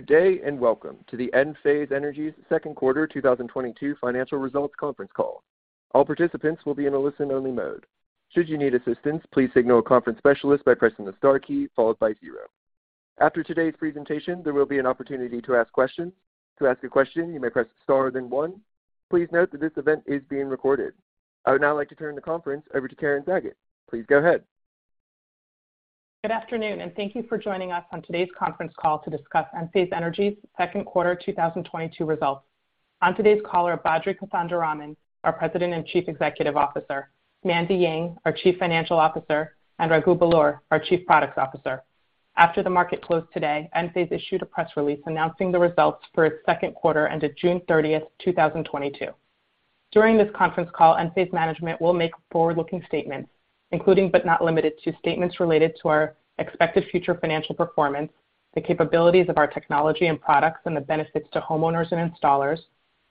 Good day, and welcome to Enphase Energy's second quarter 2022 financial results conference call. All participants will be in a listen-only mode. Should you need assistance, please signal a conference specialist by pressing the star key followed by zero. After today's presentation, there will be an opportunity to ask questions. To ask a question, you may press star, then one. Please note that this event is being recorded. I would now like to turn the conference over to Karen Sagot. Please go ahead. Good afternoon, and thank you for joining us on today's conference call to discuss Enphase Energy's second quarter 2022 results. On today's call are Badri Kothandaraman, our President and Chief Executive Officer, Mandy Yang, our Chief Financial Officer, and Raghu Belur, our Chief Products Officer. After the market closed today, Enphase issued a press release announcing the results for its second quarter ended June 30th, 2022. During this conference call, Enphase management will make forward-looking statements, including but not limited to statements related to our expected future financial performance, the capabilities of our technology and products and the benefits to homeowners and installers,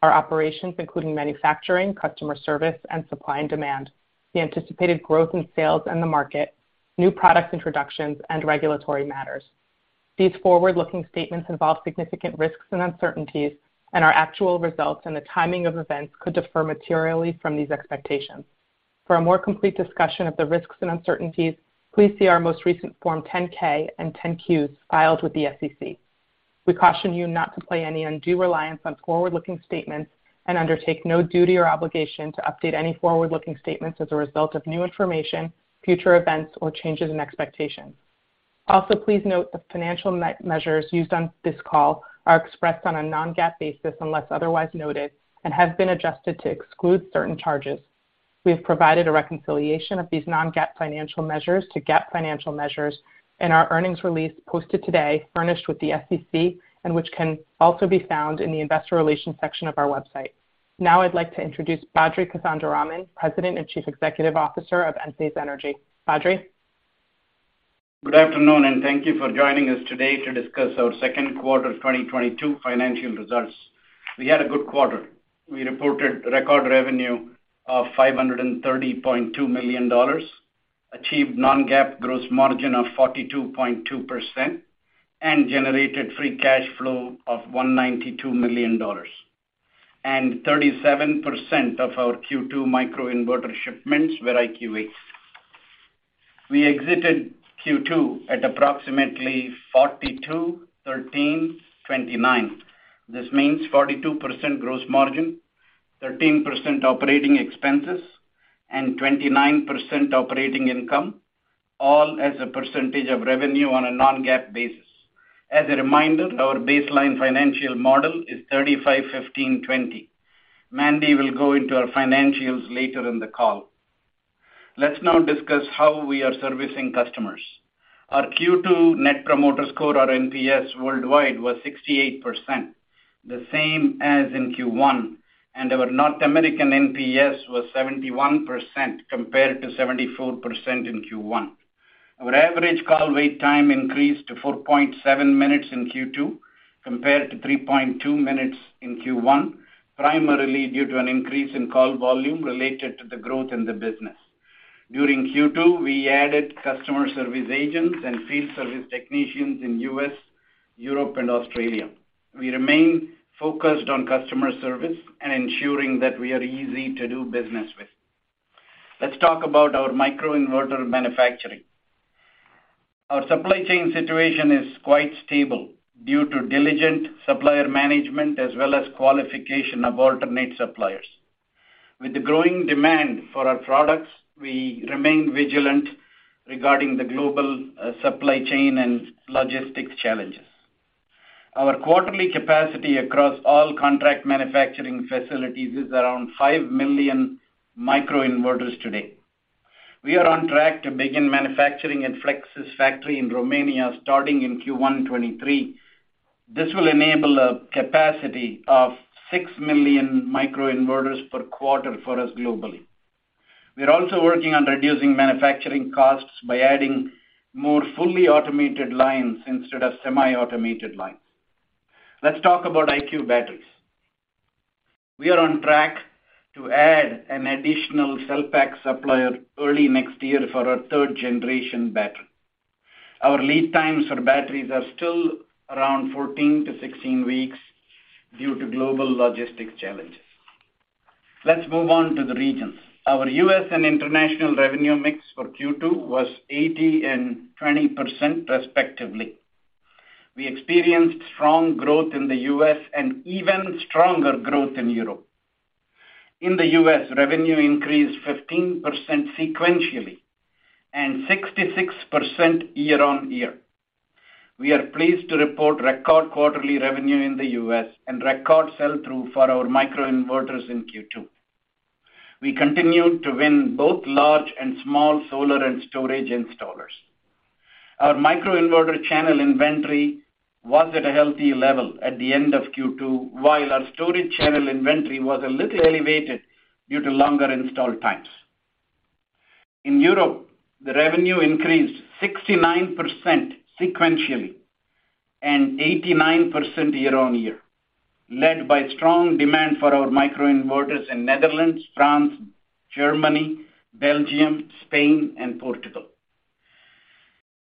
our operations including manufacturing, customer service, and supply and demand, the anticipated growth in sales and the market, new product introductions, and regulatory matters. These forward-looking statements involve significant risks and uncertainties, and our actual results and the timing of events could differ materially from these expectations. For a more complete discussion of the risks and uncertainties, please see our most recent Form 10-K and Form 10-Q filed with the SEC. We caution you not to place any undue reliance on forward-looking statements and undertake no duty or obligation to update any forward-looking statements as a result of new information, future events, or changes in expectations. Also, please note the financial measures used on this call are expressed on a non-GAAP basis unless otherwise noted and have been adjusted to exclude certain charges. We have provided a reconciliation of these non-GAAP financial measures to GAAP financial measures in our earnings release posted today, furnished with the SEC, and which can also be found in the investor relations section of our website. Now I'd like to introduce Badri Kothandaraman, President and Chief Executive Officer of Enphase Energy. Badri. Good afternoon, and thank you for joining us today to discuss our Q2 2022 financial results. We had a good quarter. We reported record revenue of $530.2 million, achieved non-GAAP gross margin of 42.2%, and generated free cash flow of $192 million. 37% of our Q2 microinverter shipments were IQ8s. We exited Q2 at approximately 42/13/29. This means 42% gross margin, 13% operating expenses, and 29% operating income, all as a percentage of revenue on a non-GAAP basis. As a reminder, our baseline financial model is 35/15/20. Mandy will go into our financials later in the call. Let's now discuss how we are servicing customers. Our Q2 Net Promoter Score or NPS worldwide was 68%, the same as in Q1, and our North American NPS was 71% compared to 74% in Q1. Our average call wait time increased to 4.7 minutes in Q2 compared to 3.2 minutes in Q1, primarily due to an increase in call volume related to the growth in the business. During Q2, we added customer service agents and field service technicians in U.S., Europe, and Australia. We remain focused on customer service and ensuring that we are easy to do business with. Let's talk about our microinverter manufacturing. Our supply chain situation is quite stable due to diligent supplier management as well as qualification of alternate suppliers. With the growing demand for our products, we remain vigilant regarding the global supply chain and logistics challenges. Our quarterly capacity across all contract manufacturing facilities is around five million microinverters today. We are on track to begin manufacturing at Flex's factory in Romania starting in Q1 2023. This will enable a capacity of six million microinverters per quarter for us globally. We are also working on reducing manufacturing costs by adding more fully automated lines instead of semi-automated lines. Let's talk about IQ Batteries. We are on track to add an additional cell pack supplier early next year for our third-generation battery. Our lead times for batteries are still around 14-16 weeks due to global logistics challenges. Let's move on to the regions. Our U.S. and international revenue mix for Q2 was 80% and 20%, respectively. We experienced strong growth in the U.S. and even stronger growth in Europe. In the U.S., revenue increased 15% sequentially and 66% year-on-year. We are pleased to report record quarterly revenue in the U.S. and record sell-through for our microinverters in Q2. We continued to win both large and small solar and storage installers. Our microinverter channel inventory was at a healthy level at the end of Q2, while our storage channel inventory was a little elevated due to longer install times. In Europe, the revenue increased 69% sequentially and 89% year-on-year, led by strong demand for our microinverters in Netherlands, France, Germany, Belgium, Spain, and Portugal.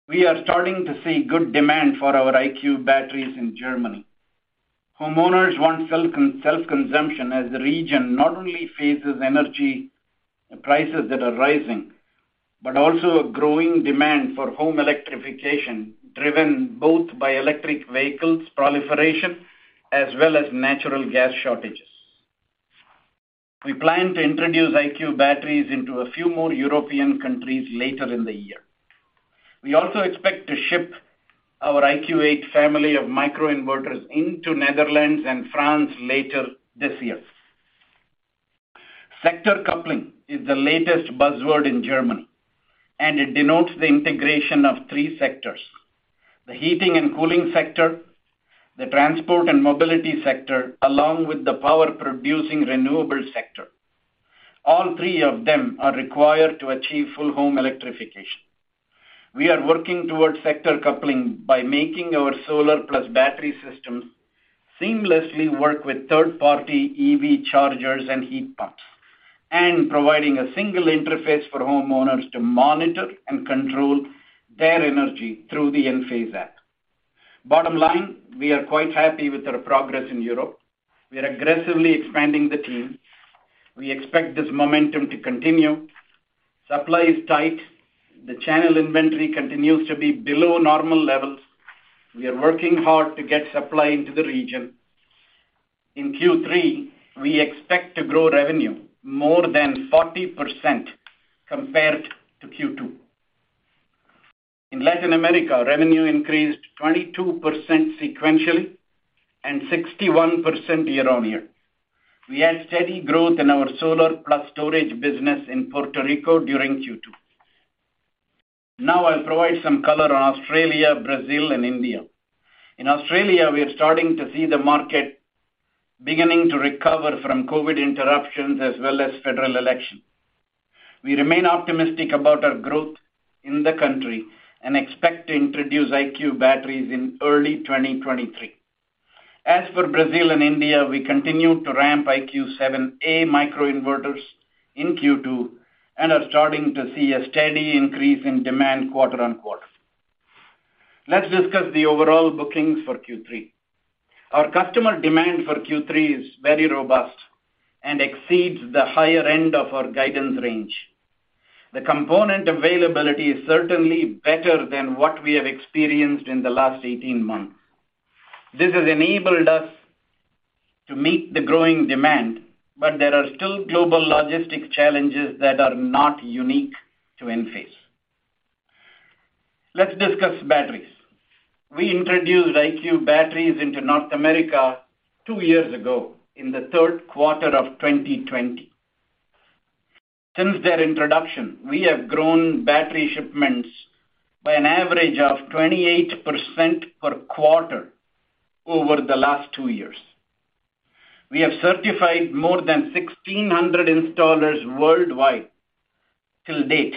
We are starting to see good demand for our IQ Batteries in Germany. Homeowners want self-consumption as the region not only faces energy prices that are rising, but also a growing demand for home electrification, driven both by electric vehicles proliferation as well as natural gas shortages. We plan to introduce IQ Batteries into a few more European countries later in the year. We also expect to ship our IQ8 family of microinverters into Netherlands and France later this year. Sector coupling is the latest buzzword in Germany, and it denotes the integration of three sectors. The heating and cooling sector, the transport and mobility sector, along with the power-producing renewable sector. All three of them are required to achieve full home electrification. We are working towards sector coupling by making our solar plus battery systems seamlessly work with third-party EV chargers and heat pumps, and providing a single interface for homeowners to monitor and control their energy through the Enphase App. Bottom line, we are quite happy with our progress in Europe. We are aggressively expanding the team. We expect this momentum to continue. Supply is tight. The channel inventory continues to be below normal levels. We are working hard to get supply into the region. In Q3, we expect to grow revenue more than 40% compared to Q2. In Latin America, revenue increased 22% sequentially and 61% year-over-year. We had steady growth in our solar plus storage business in Puerto Rico during Q2. Now I'll provide some color on Australia, Brazil and India. In Australia, we are starting to see the market beginning to recover from COVID interruptions as well as federal election. We remain optimistic about our growth in the country and expect to introduce IQ Batteries in early 2023. As for Brazil and India, we continue to ramp IQ7A microinverters in Q2, and are starting to see a steady increase in demand quarter-over-quarter. Let's discuss the overall bookings for Q3. Our customer demand for Q3 is very robust and exceeds the higher end of our guidance range. The component availability is certainly better than what we have experienced in the last 18 months. This has enabled us to meet the growing demand, but there are still global logistic challenges that are not unique to Enphase. Let's discuss batteries. We introduced IQ Battery into North America two years ago in the third quarter of 2020. Since their introduction, we have grown battery shipments by an average of 28% per quarter over the last two years. We have certified more than 1,600 installers worldwide to date,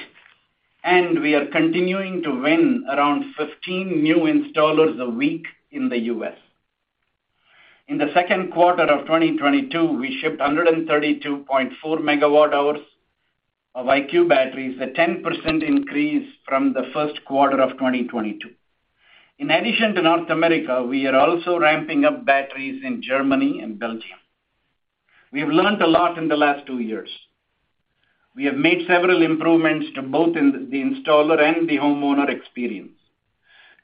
and we are continuing to win around 15 new installers a week in the U.S. In the second quarter of 2022, we shipped 132.4 MWh of IQ Batteries, a 10% increase from the first quarter of 2022. In addition to North America, we are also ramping up batteries in Germany and Belgium. We have learned a lot in the last two years. We have made several improvements to both the installer and the homeowner experience.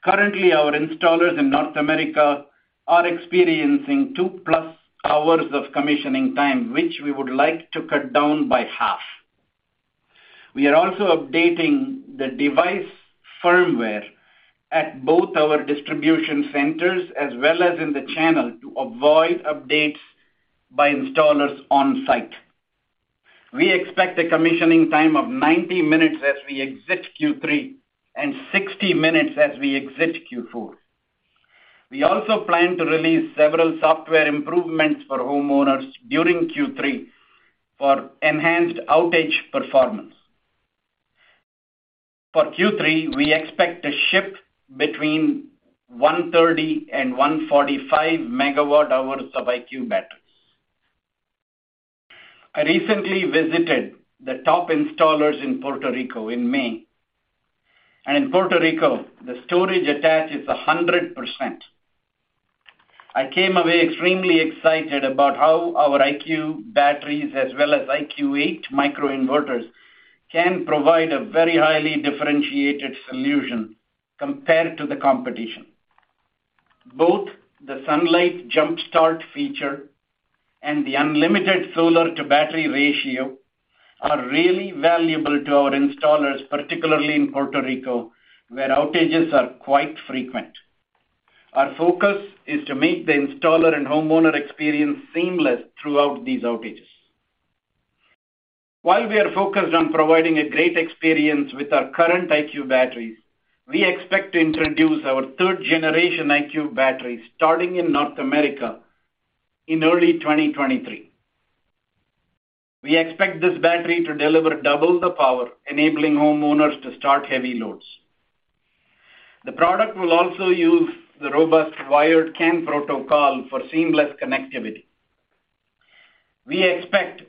Currently, our installers in North America are experiencing two plus hours of commissioning time, which we would like to cut down by half. We are also updating the device firmware at both our distribution centers as well as in the channel to avoid updates by installers on site. We expect a commissioning time of 90 minutes as we exit Q3, and 60 minutes as we exit Q4. We also plan to release several software improvements for homeowners during Q3 for enhanced outage performance. For Q3, we expect to ship between 130 and 145 MWh of IQ Batteries. I recently visited the top installers in Puerto Rico in May, and in Puerto Rico, the storage attach is 100%. I came away extremely excited about how our IQ Batteries as well as IQ8 microinverters can provide a very highly differentiated solution compared to the competition. Both the Sunlight Jump Start feature and the unlimited solar to battery ratio are really valuable to our installers, particularly in Puerto Rico, where outages are quite frequent. Our focus is to make the installer and homeowner experience seamless throughout these outages. While we are focused on providing a great experience with our current IQ Battery, we expect to introduce our third generation IQ Battery starting in North America in early 2023. We expect this battery to deliver double the power, enabling homeowners to start heavy loads. The product will also use the robust wired CAN protocol for seamless connectivity. We expect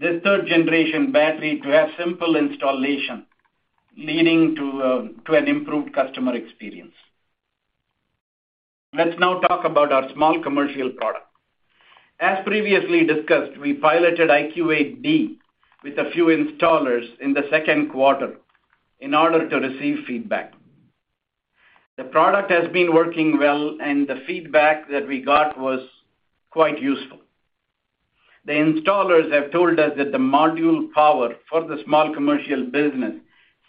the third-generation battery to have simple installation, leading to an improved customer experience. Let's now talk about our small commercial product. As previously discussed, we piloted IQ8B with a few installers in the second quarter in order to receive feedback. The product has been working well, and the feedback that we got was quite useful. The installers have told us that the module power for the small commercial business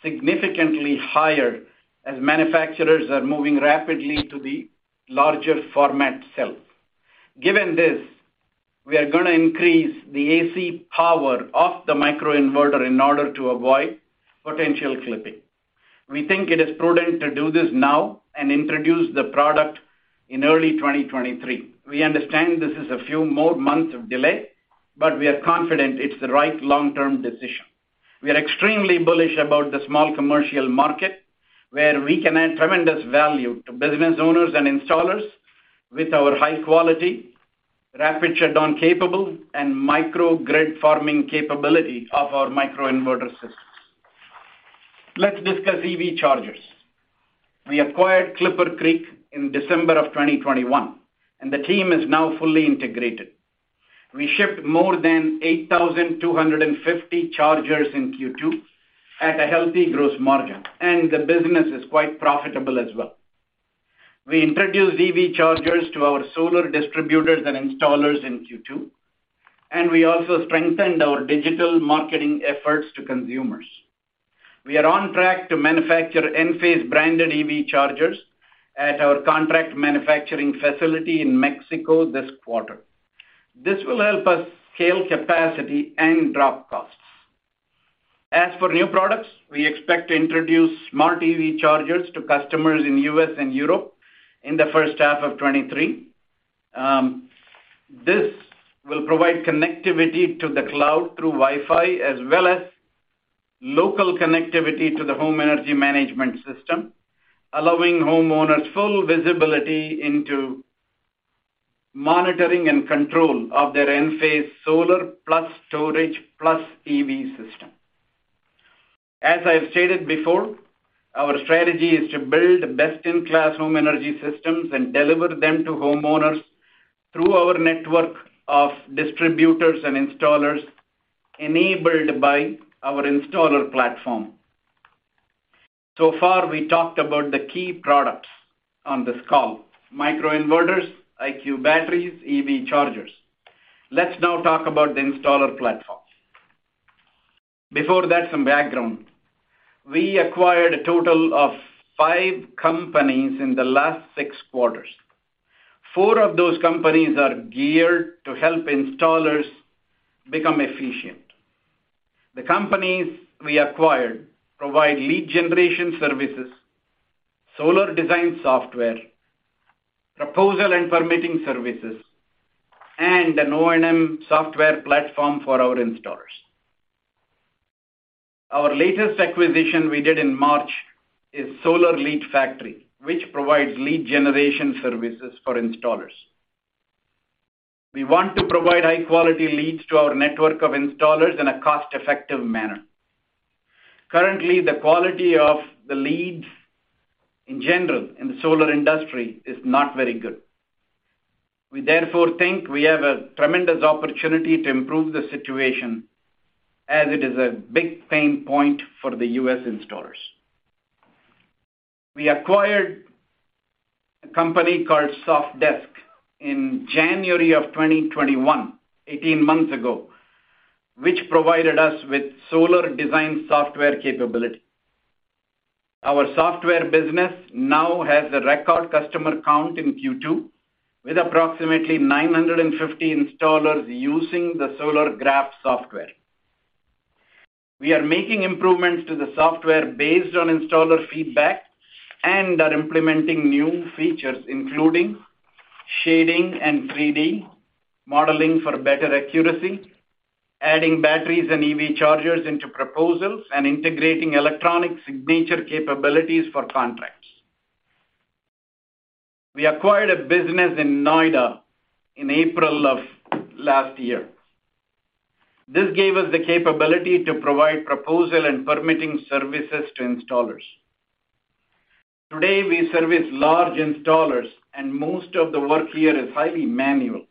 significantly higher as manufacturers are moving rapidly to the larger format cell. Given this, we are gonna increase the AC power of the microinverter in order to avoid potential clipping. We think it is prudent to do this now and introduce the product in early 2023. We understand this is a few more months of delay, but we are confident it's the right long-term decision. We are extremely bullish about the small commercial market, where we can add tremendous value to business owners and installers with our high quality, rapid shutdown capable and microgrid-forming capability of our microinverter systems. Let's discuss EV chargers. We acquired ClipperCreek in December of 2021, and the team is now fully integrated. We shipped more than 8,250 chargers in Q2 at a healthy gross margin, and the business is quite profitable as well. We introduced EV chargers to our solar distributors and installers in Q2, and we also strengthened our digital marketing efforts to consumers. We are on track to manufacture Enphase-branded EV chargers at our contract manufacturing facility in Mexico this quarter. This will help us scale capacity and drop costs. As for new products, we expect to introduce smart EV chargers to customers in U.S. and Europe in the first half of 2023. This will provide connectivity to the cloud through Wi-Fi as well as local connectivity to the home energy management system, allowing homeowners full visibility into monitoring and control of their Enphase solar plus storage plus EV system. As I have stated before, our strategy is to build best-in-class home energy systems and deliver them to homeowners through our network of distributors and installers enabled by our installer platform. So far, we talked about the key products on this call, microinverters, IQ Batteries, EV chargers. Let's now talk about the installer platform. Before that, some background. We acquired a total of five companies in the last six quarters. Four of those companies are geared to help installers become efficient. The companies we acquired provide lead generation services, solar design software, proposal and permitting services, and an O&M software platform for our installers. Our latest acquisition we did in March is SolarLeadFactory, which provides lead generation services for installers. We want to provide high-quality leads to our network of installers in a cost-effective manner. Currently, the quality of the leads in general in the solar industry is not very good. We therefore think we have a tremendous opportunity to improve the situation as it is a big pain point for the U.S. installers. We acquired a company called Sofdesk in January of 2021, 18 months ago, which provided us with solar design software capability. Our software business now has a record customer count in Q2 with approximately 950 installers using the Solargraf software. We are making improvements to the software based on installer feedback and are implementing new features, including shading and 3D modeling for better accuracy, adding batteries and EV chargers into proposals, and integrating electronic signature capabilities for contracts. We acquired a business in Noida in April of last year. This gave us the capability to provide proposal and permitting services to installers. Today, we service large installers and most of the work here is highly manual.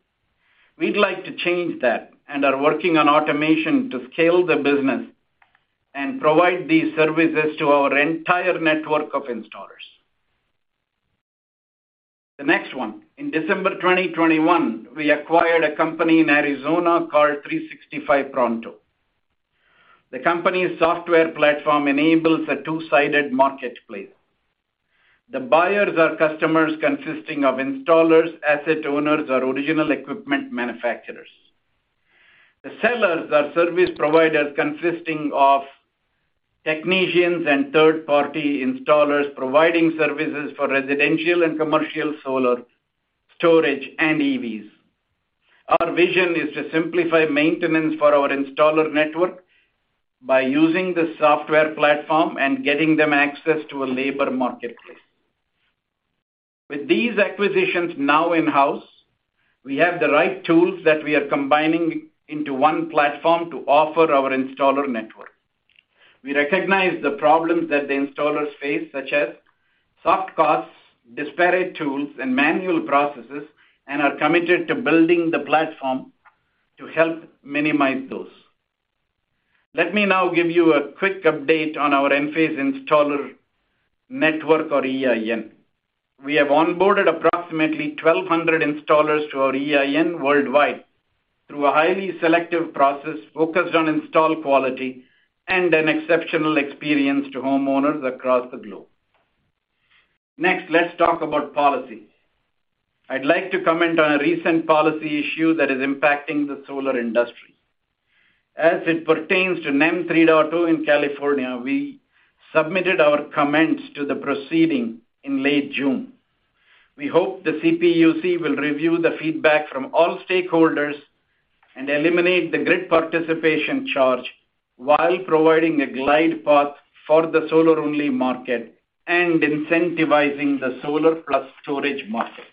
We'd like to change that and are working on automation to scale the business and provide these services to our entire network of installers. The next one. In December 2021, we acquired a company in Arizona called 365 Pronto. The company's software platform enables a two-sided marketplace. The buyers are customers consisting of installers, asset owners, or original equipment manufacturers. The sellers are service providers consisting of technicians and third-party installers providing services for residential and commercial solar storage and EVs. Our vision is to simplify maintenance for our installer network by using the software platform and getting them access to a labor marketplace. With these acquisitions now in-house, we have the right tools that we are combining into one platform to offer our installer network. We recognize the problems that the installers face, such as soft costs, disparate tools, and manual processes, and are committed to building the platform to help minimize those. Let me now give you a quick update on our Enphase Installer Network, or EIN. We have onboarded approximately 1,200 installers to our EIN worldwide through a highly selective process focused on install quality and an exceptional experience to homeowners across the globe. Next, let's talk about policy. I'd like to comment on a recent policy issue that is impacting the solar industry. As it pertains to NEM 3.0 in California, we submitted our comments to the proceeding in late June. We hope the CPUC will review the feedback from all stakeholders and eliminate the grid participation charge while providing a glide path for the solar-only market and incentivizing the solar plus storage market.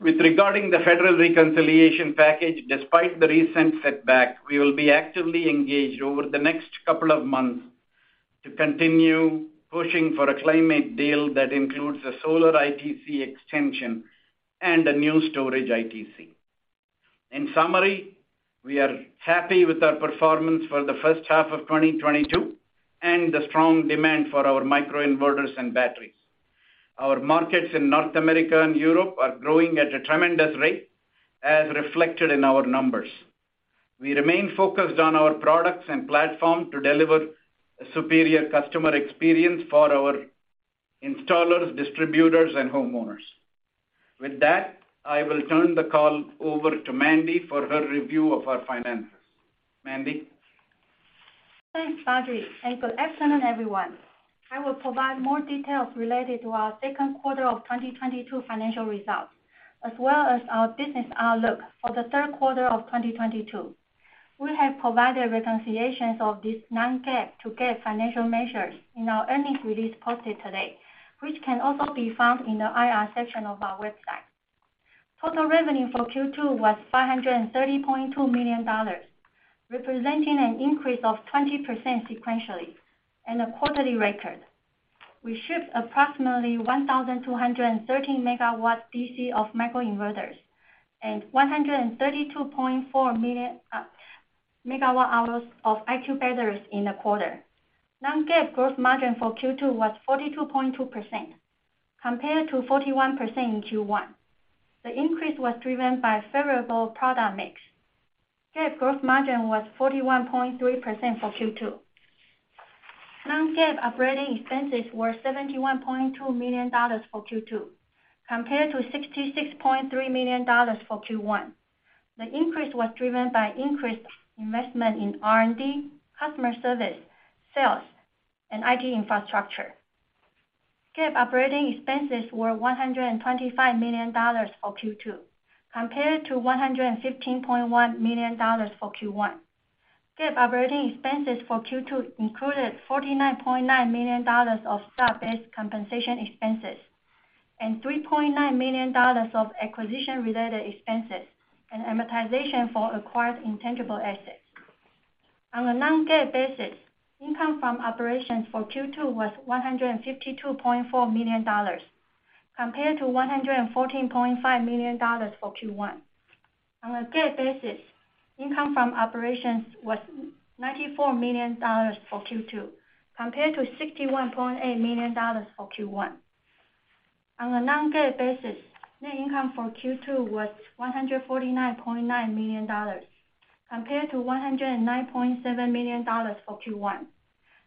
With regard to the federal reconciliation package, despite the recent setback, we will be actively engaged over the next couple of months to continue pushing for a climate deal that includes a solar ITC extension and a new storage ITC. In summary, we are happy with our performance for the first half of 2022 and the strong demand for our microinverters and batteries. Our markets in North America and Europe are growing at a tremendous rate, as reflected in our numbers. We remain focused on our products and platform to deliver a superior customer experience for our installers, distributors, and homeowners. With that, I will turn the call over to Mandy for her review of our finances. Mandy? Thanks, Badri, and good afternoon, everyone. I will provide more details related to our second quarter of 2022 financial results, as well as our business outlook for the third quarter of 2022. We have provided reconciliations of these non-GAAP to GAAP financial measures in our earnings release posted today, which can also be found in the IR section of our website. Total revenue for Q2 was $530.2 million, representing an increase of 20% sequentially and a quarterly record. We shipped approximately 1,213 MW DC of microinverters and 132.4 MWh of IQ Battery in the quarter. Non-GAAP gross margin for Q2 was 42.2% compared to 41% in Q1. The increase was driven by favorable product mix. GAAP gross margin was 41.3% for Q2. non-GAAP operating expenses were $71.2 million for Q2 compared to $66.3 million for Q1. The increase was driven by increased investment in R&D, customer service, sales, and IT infrastructure. GAAP operating expenses were $125 million for Q2 compared to $115.1 million for Q1. GAAP operating expenses for Q2 included $49.9 million of stock-based compensation expenses and $3.9 million of acquisition-related expenses and amortization for acquired intangible assets. On a non-GAAP basis, income from operations for Q2 was $152.4 million compared to $114.5 million for Q1. On a GAAP basis, income from operations was $94 million for Q2 compared to $61.8 million for Q1. On a non-GAAP basis, net income for Q2 was $149.9 million compared to $109.7 million for Q1.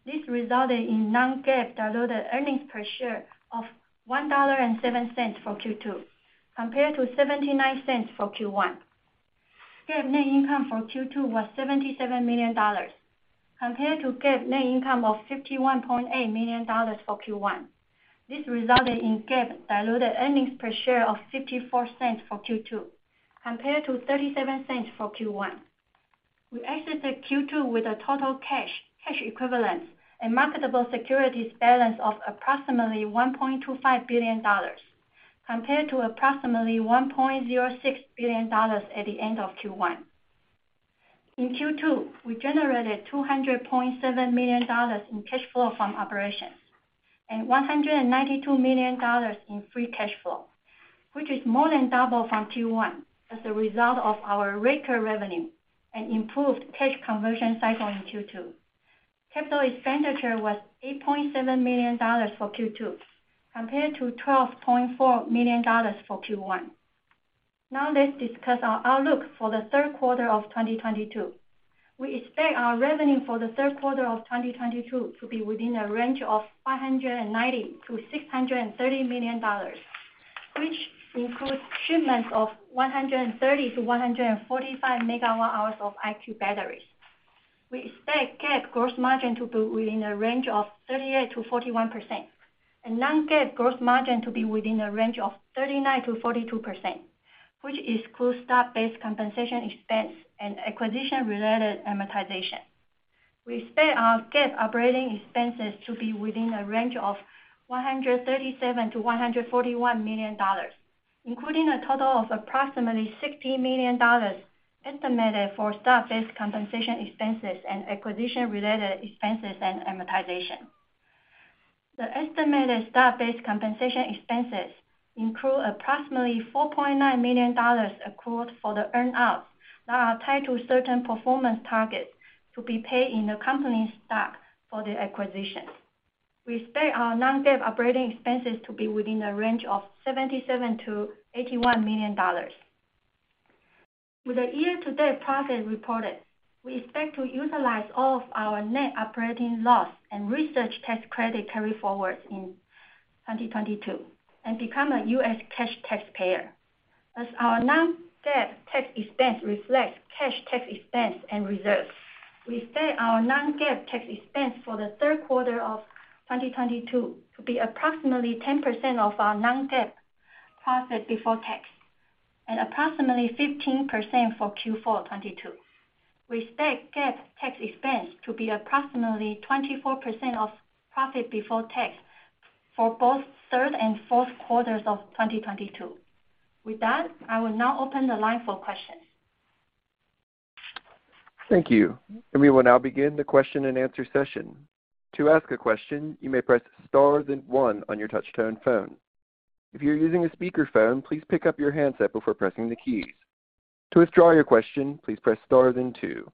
This resulted in non-GAAP diluted earnings per share of $1.07 for Q2 compared to $0.79 for Q1. GAAP net income for Q2 was $77 million compared to GAAP net income of $51.8 million for Q1. This resulted in GAAP diluted earnings per share of $0.54 for Q2 compared to $0.37 for Q1. We exited Q2 with a total cash equivalents and marketable securities balance of approximately $1.25 billion, compared to approximately $1.06 billion at the end of Q1. In Q2, we generated $200.7 million in cash flow from operations and $192 million in free cash flow, which is more than double from Q1 as a result of our record revenue and improved cash conversion cycle in Q2. Capital expenditure was $8.7 million for Q2 compared to $12.4 million for Q1. Now let's discuss our outlook for the third quarter of 2022. We expect our revenue for the third quarter of 2022 to be within a range of $590 million-$630 million, which includes shipments of 130 MWh-145 MWh of IQ Battery. We expect GAAP gross margin to be within a range of 38%-41% and non-GAAP gross margin to be within a range of 39%-42%, which includes stock-based compensation expense and acquisition-related amortization. We expect our GAAP operating expenses to be within a range of $137 million-$141 million, including a total of approximately $60 million estimated for stock-based compensation expenses and acquisition-related expenses and amortization. The estimated stock-based compensation expenses include approximately $4.9 million accrued for the earn outs that are tied to certain performance targets to be paid in the company's stock for the acquisitions. We expect our non-GAAP operating expenses to be within a range of $77 million-$81 million. With the year-to-date profit reported, we expect to utilize all of our net operating loss and research tax credit carryforward in 2022 and become a U.S. cash taxpayer. As our non-GAAP tax expense reflects cash tax expense and reserves, we expect our non-GAAP tax expense for the third quarter of 2022 to be approximately 10% of our non-GAAP profit before tax and approximately 15% for Q4 2022. We expect GAAP tax expense to be approximately 24% of profit before tax for both third and fourth quarters of 2022. With that, I will now open the line for questions. Thank you. We will now begin the question-and-answer session. To ask a question, you may press star then one on your touchtone phone. If you're using a speakerphone, please pick up your handset before pressing the keys. To withdraw your question, please press star then two.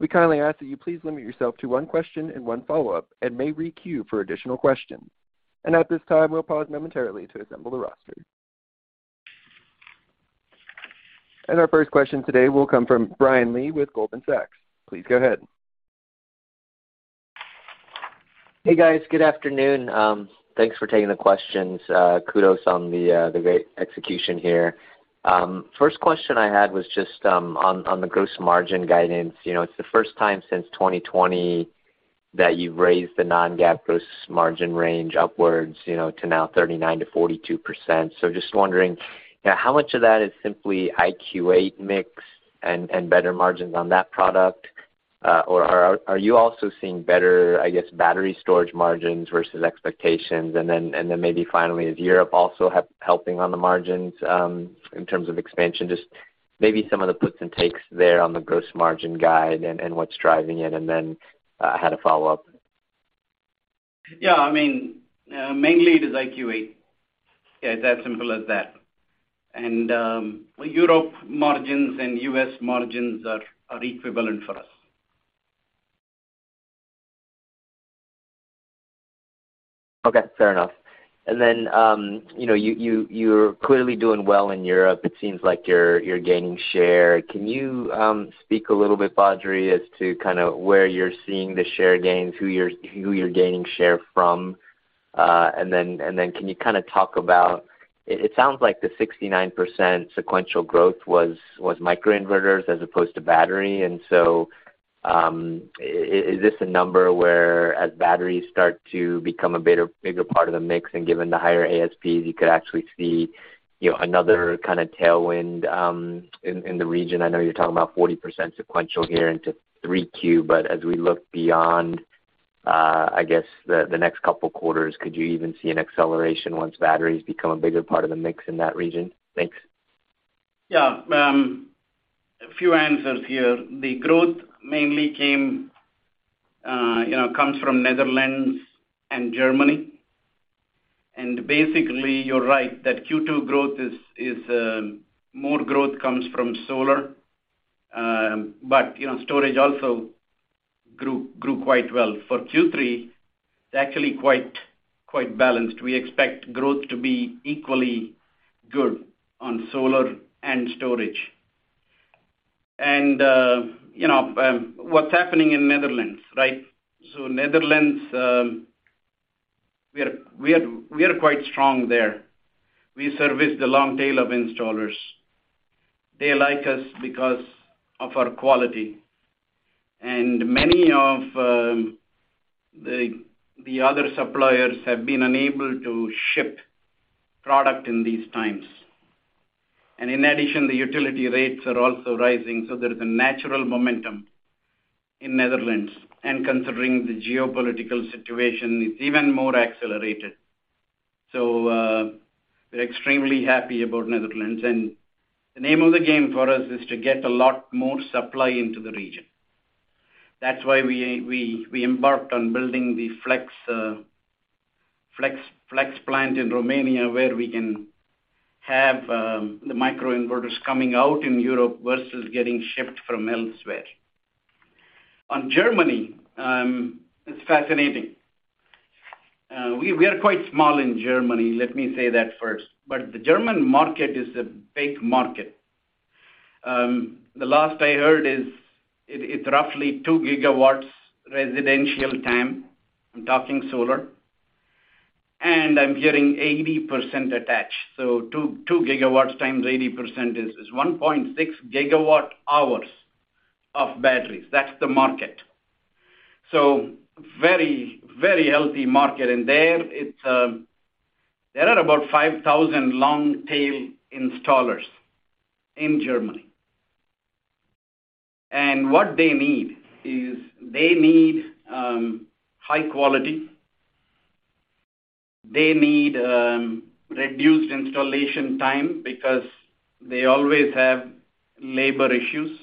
We kindly ask that you please limit yourself to one question and one follow-up, and may re-queue for additional questions. At this time, we'll pause momentarily to assemble the roster. Our first question today will come from Brian Lee with Goldman Sachs. Please go ahead. Hey, guys. Good afternoon. Thanks for taking the questions. Kudos on the great execution here. First question I had was just on the gross margin guidance. You know, it's the first time since 2020 that you've raised the non-GAAP gross margin range upwards, you know, to now 39%-42%. So just wondering, you know, how much of that is simply IQ8 mix and better margins on that product? Or are you also seeing better, I guess, battery storage margins versus expectations? And then maybe finally, is Europe also helping on the margins in terms of expansion? Just maybe some of the puts and takes there on the gross margin guide and what's driving it. And then I had a follow-up. Yeah, I mean, mainly it is IQ8. Yeah, it's as simple as that. Europe margins and U.S. margins are equivalent for us. Okay, fair enough. You know, you're clearly doing well in Europe. It seems like you're gaining share. Can you speak a little bit, Badri, as to kind of where you're seeing the share gains? Who you're gaining share from? Can you kinda talk about it sounds like the 69% sequential growth was microinverters as opposed to battery. Is this a number where as batteries start to become a better, bigger part of the mix, and given the higher ASPs, you could actually see, you know, another kinda tailwind in the region? I know you're talking about 40% sequential here into Q3, but as we look beyond, I guess, the next couple quarters, could you even see an acceleration once batteries become a bigger part of the mix in that region? Thanks. Yeah. A few answers here. The growth mainly came, you know, comes from Netherlands and Germany. Basically, you're right, that Q2 growth is more growth comes from solar. You know, storage also grew quite well. For Q3, it's actually quite balanced. We expect growth to be equally good on solar and storage. You know, what's happening in Netherlands, right? Netherlands, we are quite strong there. We service the long tail of installers. They like us because of our quality, and many of the other suppliers have been unable to ship product in these times. In addition, the utility rates are also rising, so there is a natural momentum in Netherlands, and considering the geopolitical situation is even more accelerated. We're extremely happy about Netherlands. The name of the game for us is to get a lot more supply into the region. That's why we embarked on building the Flex plant in Romania, where we can have the microinverters coming out in Europe versus getting shipped from elsewhere. On Germany, it's fascinating. We are quite small in Germany, let me say that first, but the German market is a big market. The last I heard, it's roughly 2 GW residential TAM. I'm talking solar. I'm hearing 80% attached. 2 GW times 80% is 1.6 GW hours of batteries. That's the market. Very healthy market. There are about 5,000 long tail installers in Germany. What they need is they need high quality. They need reduced installation time because they always have labor issues.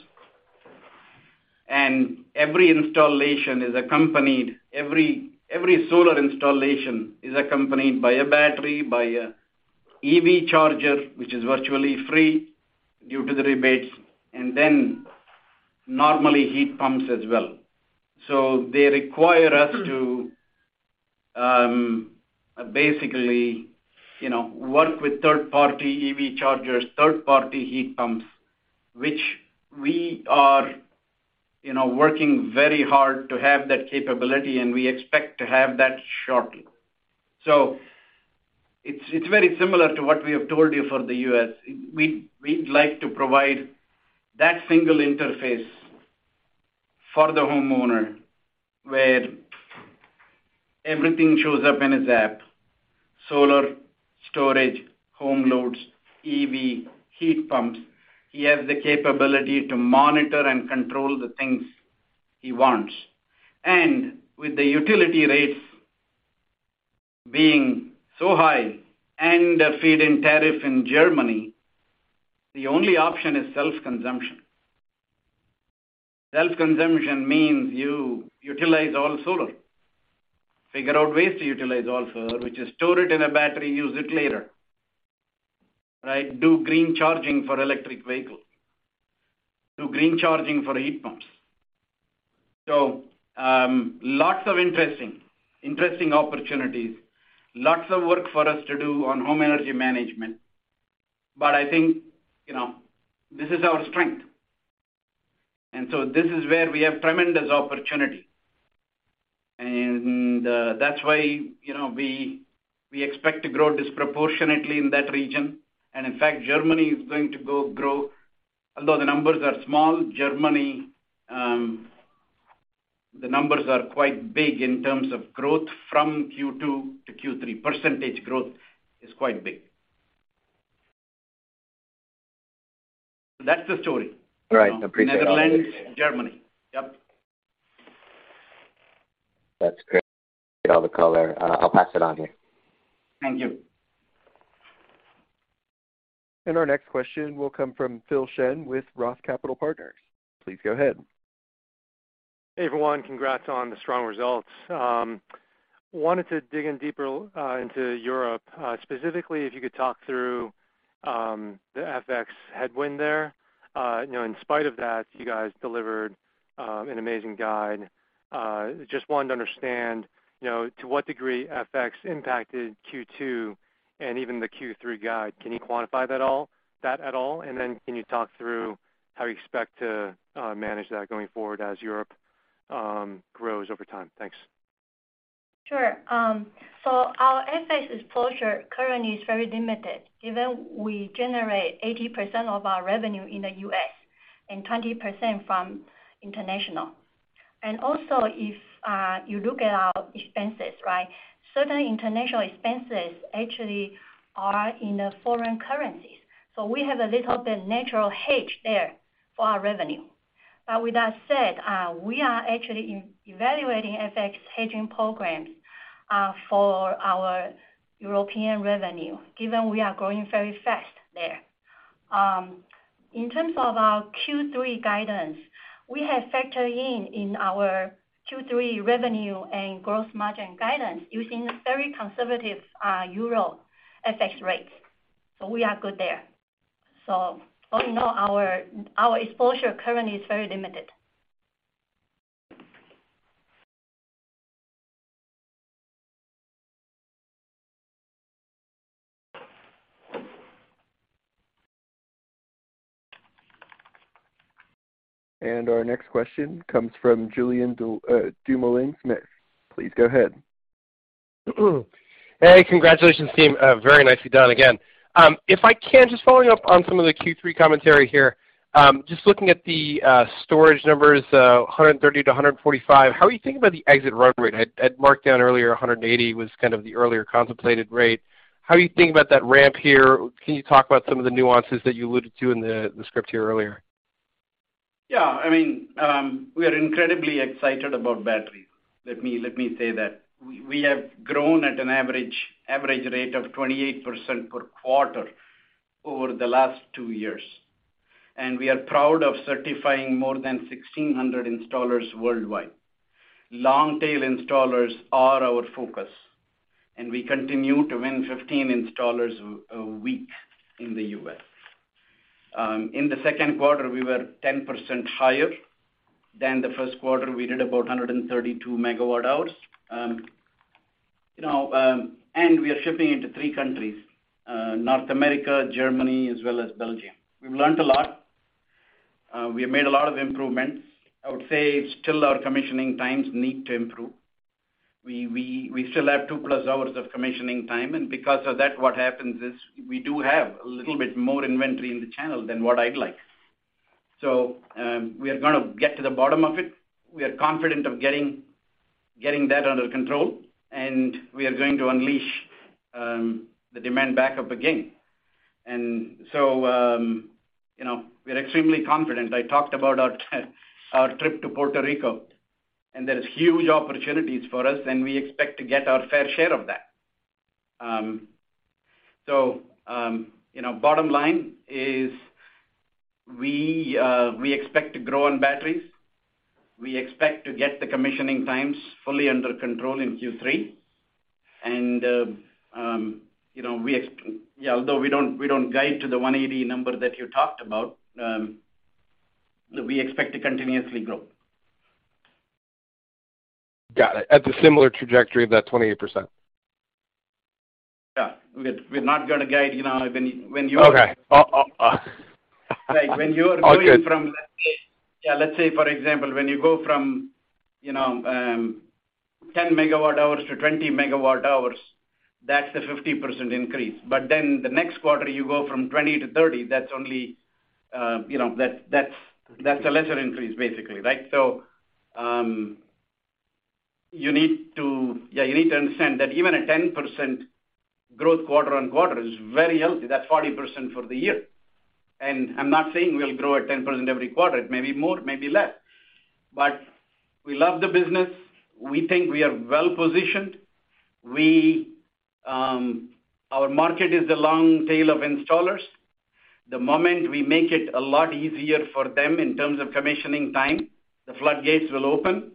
Every solar installation is accompanied by a battery, by an EV charger, which is virtually free due to the rebates, and then normally heat pumps as well. They require us to basically, you know, work with third-party EV chargers, third-party heat pumps, which we are, you know, working very hard to have that capability, and we expect to have that shortly. It's very similar to what we have told you for the U.S. We'd like to provide that single interface for the homeowner where everything shows up in his app, solar, storage, home loads, EV, heat pumps. He has the capability to monitor and control the things he wants. With the utility rates being so high and the feed-in tariff in Germany, the only option is self-consumption. Self-consumption means you utilize all solar, figure out ways to utilize all solar, which is store it in a battery, use it later, right? Do green charging for electric vehicles. Do green charging for heat pumps. Lots of interesting opportunities, lots of work for us to do on home energy management. But I think, you know, this is our strength. This is where we have tremendous opportunity. That's why, you know, we expect to grow disproportionately in that region. In fact, Germany is going to grow. Although the numbers are small, Germany, the numbers are quite big in terms of growth from Q2 to Q3. Percentage growth is quite big. That's the story. All right. Appreciate it. Netherlands, Germany. Yep. That's great. Get all the color. I'll pass it on here. Thank you. Our next question will come from Philip Shen with ROTH Capital Partners. Please go ahead. Hey, everyone. Congrats on the strong results. Wanted to dig in deeper into Europe, specifically, if you could talk through the FX headwind there. You know, in spite of that, you guys delivered an amazing guide. Just wanted to understand, you know, to what degree FX impacted Q2 and even the Q3 guide. Can you quantify that at all? Then, can you talk through how you expect to manage that going forward as Europe grows over time? Thanks. Sure. Our FX exposure currently is very limited, even we generate 80% of our revenue in the U.S. and 20% from international. Also if you look at our expenses, right? Certain international expenses actually are in the foreign currencies. We have a little bit natural hedge there for our revenue. With that said, we are actually evaluating FX hedging programs for our European revenue, given we are growing very fast there. In terms of our Q3 guidance, we have factored in our Q3 revenue and gross margin guidance using very conservative euro FX rates. We are good there. All in all, our exposure currently is very limited. Our next question comes from Julien Dumoulin-Smith. Please go ahead. Hey, congratulations, team. Very nicely done again. If I can, just following up on some of the Q3 commentary here, just looking at the storage numbers, 130-145, how are you thinking about the exit run rate? I'd marked down earlier 180 was kind of the earlier contemplated rate. How are you thinking about that ramp here? Can you talk about some of the nuances that you alluded to in the script here earlier? Yeah. I mean, we are incredibly excited about batteries. Let me say that. We have grown at an average rate of 28% per quarter over the last two years, and we are proud of certifying more than 1,600 installers worldwide. Long-tail installers are our focus, and we continue to win 15 installers a week in the U.S. In the second quarter, we were 10% higher than the first quarter. We did about 132 MWh. You know, and we are shipping into three countries, North America, Germany, as well as Belgium. We have learned a lot. We have made a lot of improvements. I would say still our commissioning times need to improve. We still have two plus hours of commissioning time, and because of that, what happens is we do have a little bit more inventory in the channel than what I'd like. We are going to get to the bottom of it. We are confident of getting that under control, and we are going to unleash the demand back up again. You know, we are extremely confident. I talked about our trip to Puerto Rico, and there is huge opportunities for us, and we expect to get our fair share of that. You know, bottom line is we expect to grow on batteries. We expect to get the commissioning times fully under control in Q3. You know, although we don't guide to the 180 number that you talked about, we expect to continuously grow. Got it. At the similar trajectory of that 28%. Yeah. We're not gonna guide, you know, when you Okay. Oh. Like when you're. All good. Let's say for example, when you go from, you know, 10 MWh-20 MWh, that's a 50% increase. Then the next quarter, you go from 20-30, that's only, you know, that's a lesser increase basically, right? You need to understand that even a 10% growth quarter-on-quarter is very healthy. That's 40% for the year. I'm not saying we'll grow at 10% every quarter. It may be more, it may be less. We love the business. We think we are well-positioned. Our market is the long tail of installers. The moment we make it a lot easier for them in terms of commissioning time, the floodgates will open,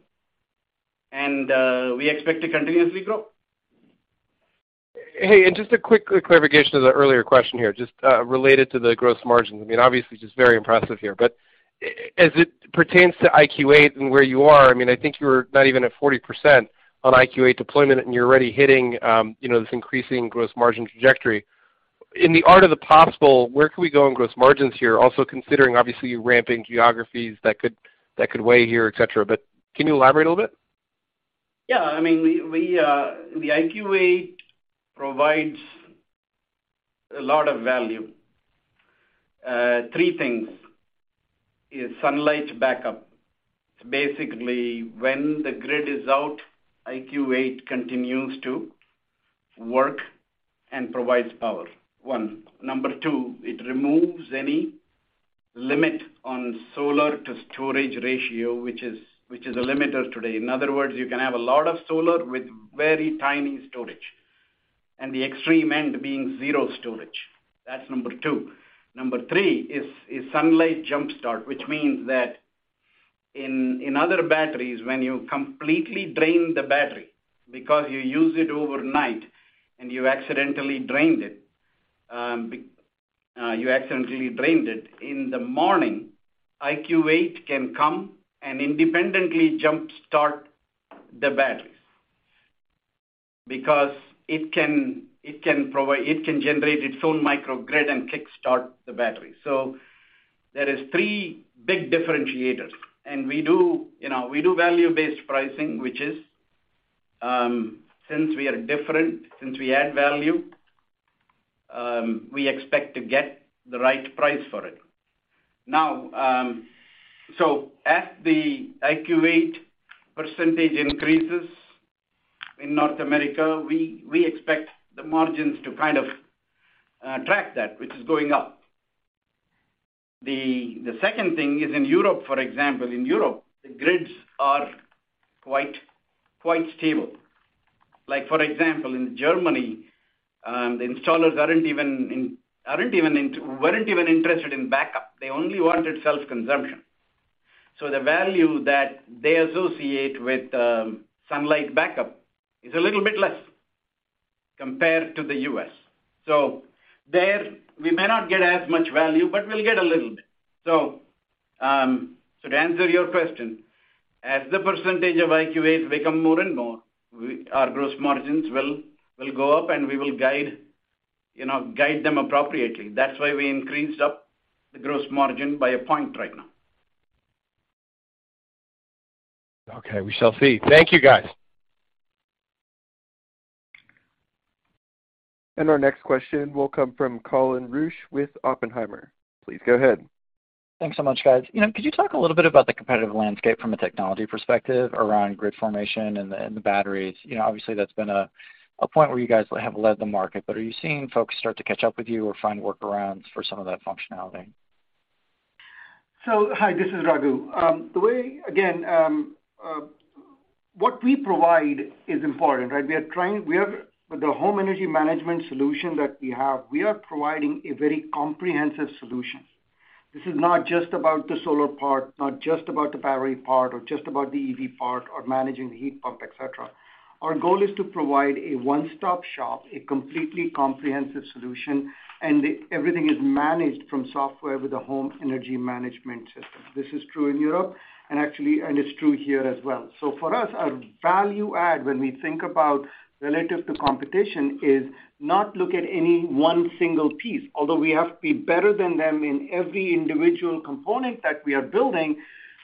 and we expect to continuously grow. Hey, just a quick clarification to the earlier question here, just related to the gross margin. I mean, obviously, just very impressive here. As it pertains to IQ8 and where you are, I mean, I think you're not even at 40% on IQ8 deployment, and you're already hitting, you know, this increasing gross margin trajectory. In the art of the possible, where can we go on gross margins here, also considering obviously ramping geographies that could weigh here, et cetera. Can you elaborate a little bit? Yeah. I mean, we the IQ8 provides a lot of value. Three things is sunlight backup. Basically, when the grid is out, IQ8 continues to work and provides power. One. Number two, it removes any limit on solar-to-storage ratio, which is a limiter today. In other words, you can have a lot of solar with very tiny storage, and the extreme end being zero storage. That's number two. Number three is sunlight jump-start, which means that in other batteries, when you completely drain the battery because you use it overnight and you accidentally drained it, in the morning, IQ8 can come and independently jump-start the batteries because it can generate its own microgrid and kick-start the battery. So there is three big differentiators. We do, you know, we do value-based pricing, which is, since we are different, since we add value, we expect to get the right price for it. Now, as the IQ8 percentage increases in North America, we expect the margins to kind of track that, which is going up. The second thing is in Europe, for example, the grids are quite stable. Like for example, in Germany, the installers weren't even interested in backup. They only wanted self-consumption. The value that they associate with sunlight backup is a little bit less compared to the U.S. There, we may not get as much value, but we'll get a little bit. To answer your question, as the percentage of IQ8 become more and more, our gross margins will go up, and we will guide, you know, guide them appropriately. That's why we increased up the gross margin by a point right now. Okay. We shall see. Thank you, guys. Our next question will come from Colin Rusch with Oppenheimer. Please go ahead. Thanks so much, guys. You know, could you talk a little bit about the competitive landscape from a technology perspective around grid formation and the batteries? You know, obviously that's been a point where you guys have led the market, but are you seeing folks start to catch up with you or find workarounds for some of that functionality? Hi, this is Raghu. What we provide is important, right? With the home energy management solution that we have, we are providing a very comprehensive solution. This is not just about the solar part, not just about the battery part, or just about the EV part or managing the heat pump, et cetera. Our goal is to provide a one-stop shop, a completely comprehensive solution, and everything is managed from software with a home energy management system. This is true in Europe, actually, and it's true here as well. For us, our value add when we think about relative to competition is not to look at any one single piece. Although we have to be better than them in every individual component that we are building,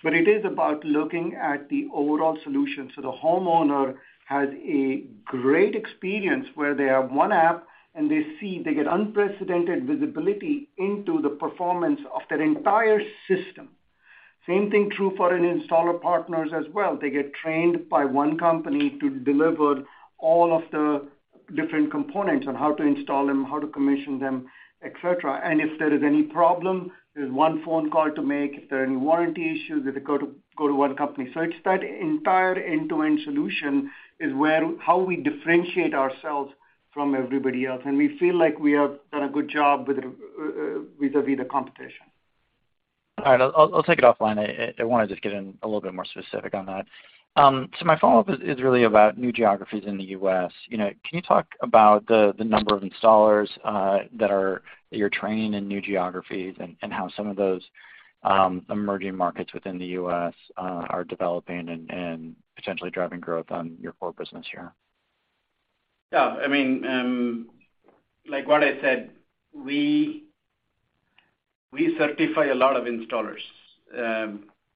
but it is about looking at the overall solution. The homeowner has a great experience where they have one app, and they see they get unprecedented visibility into the performance of their entire system. Same thing true for an installer partners as well. They get trained by one company to deliver all of the different components on how to install them, how to commission them, et cetera. If there is any problem, there's one phone call to make. If there are any warranty issues, they go to one company. It's that entire end-to-end solution is how we differentiate ourselves from everybody else. We feel like we have done a good job with vis-a-vis the competition. All right, I'll take it offline. I wanna just get in a little bit more specific on that. So my follow-up is really about new geographies in the U.S. You know, can you talk about the number of installers that you're training in new geographies and how some of those emerging markets within the U.S. are developing and potentially driving growth on your core business here? Yeah. I mean, like what I said, we certify a lot of installers.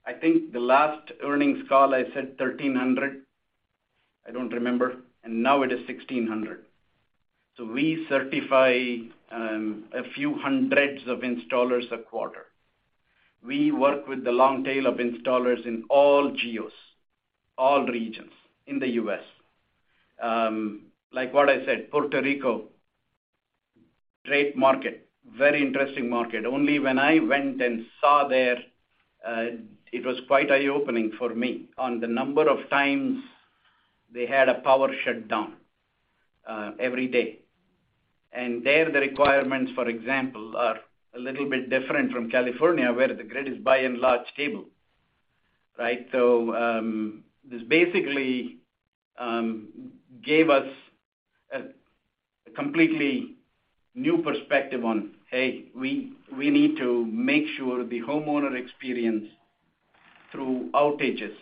I think the last earnings call, I said 1,300. I don't remember. Now it is 1,600. We certify a few hundred installers a quarter. We work with the long tail of installers in all geos, all regions in the U.S. Like what I said, Puerto Rico, great market. Very interesting market. Only when I went and saw there, it was quite eye-opening for me on the number of times they had a power shutdown every day. There, the requirements, for example, are a little bit different from California, where the grid is by and large stable, right? This basically gave us a completely new perspective on, hey, we need to make sure the homeowner experience through outages,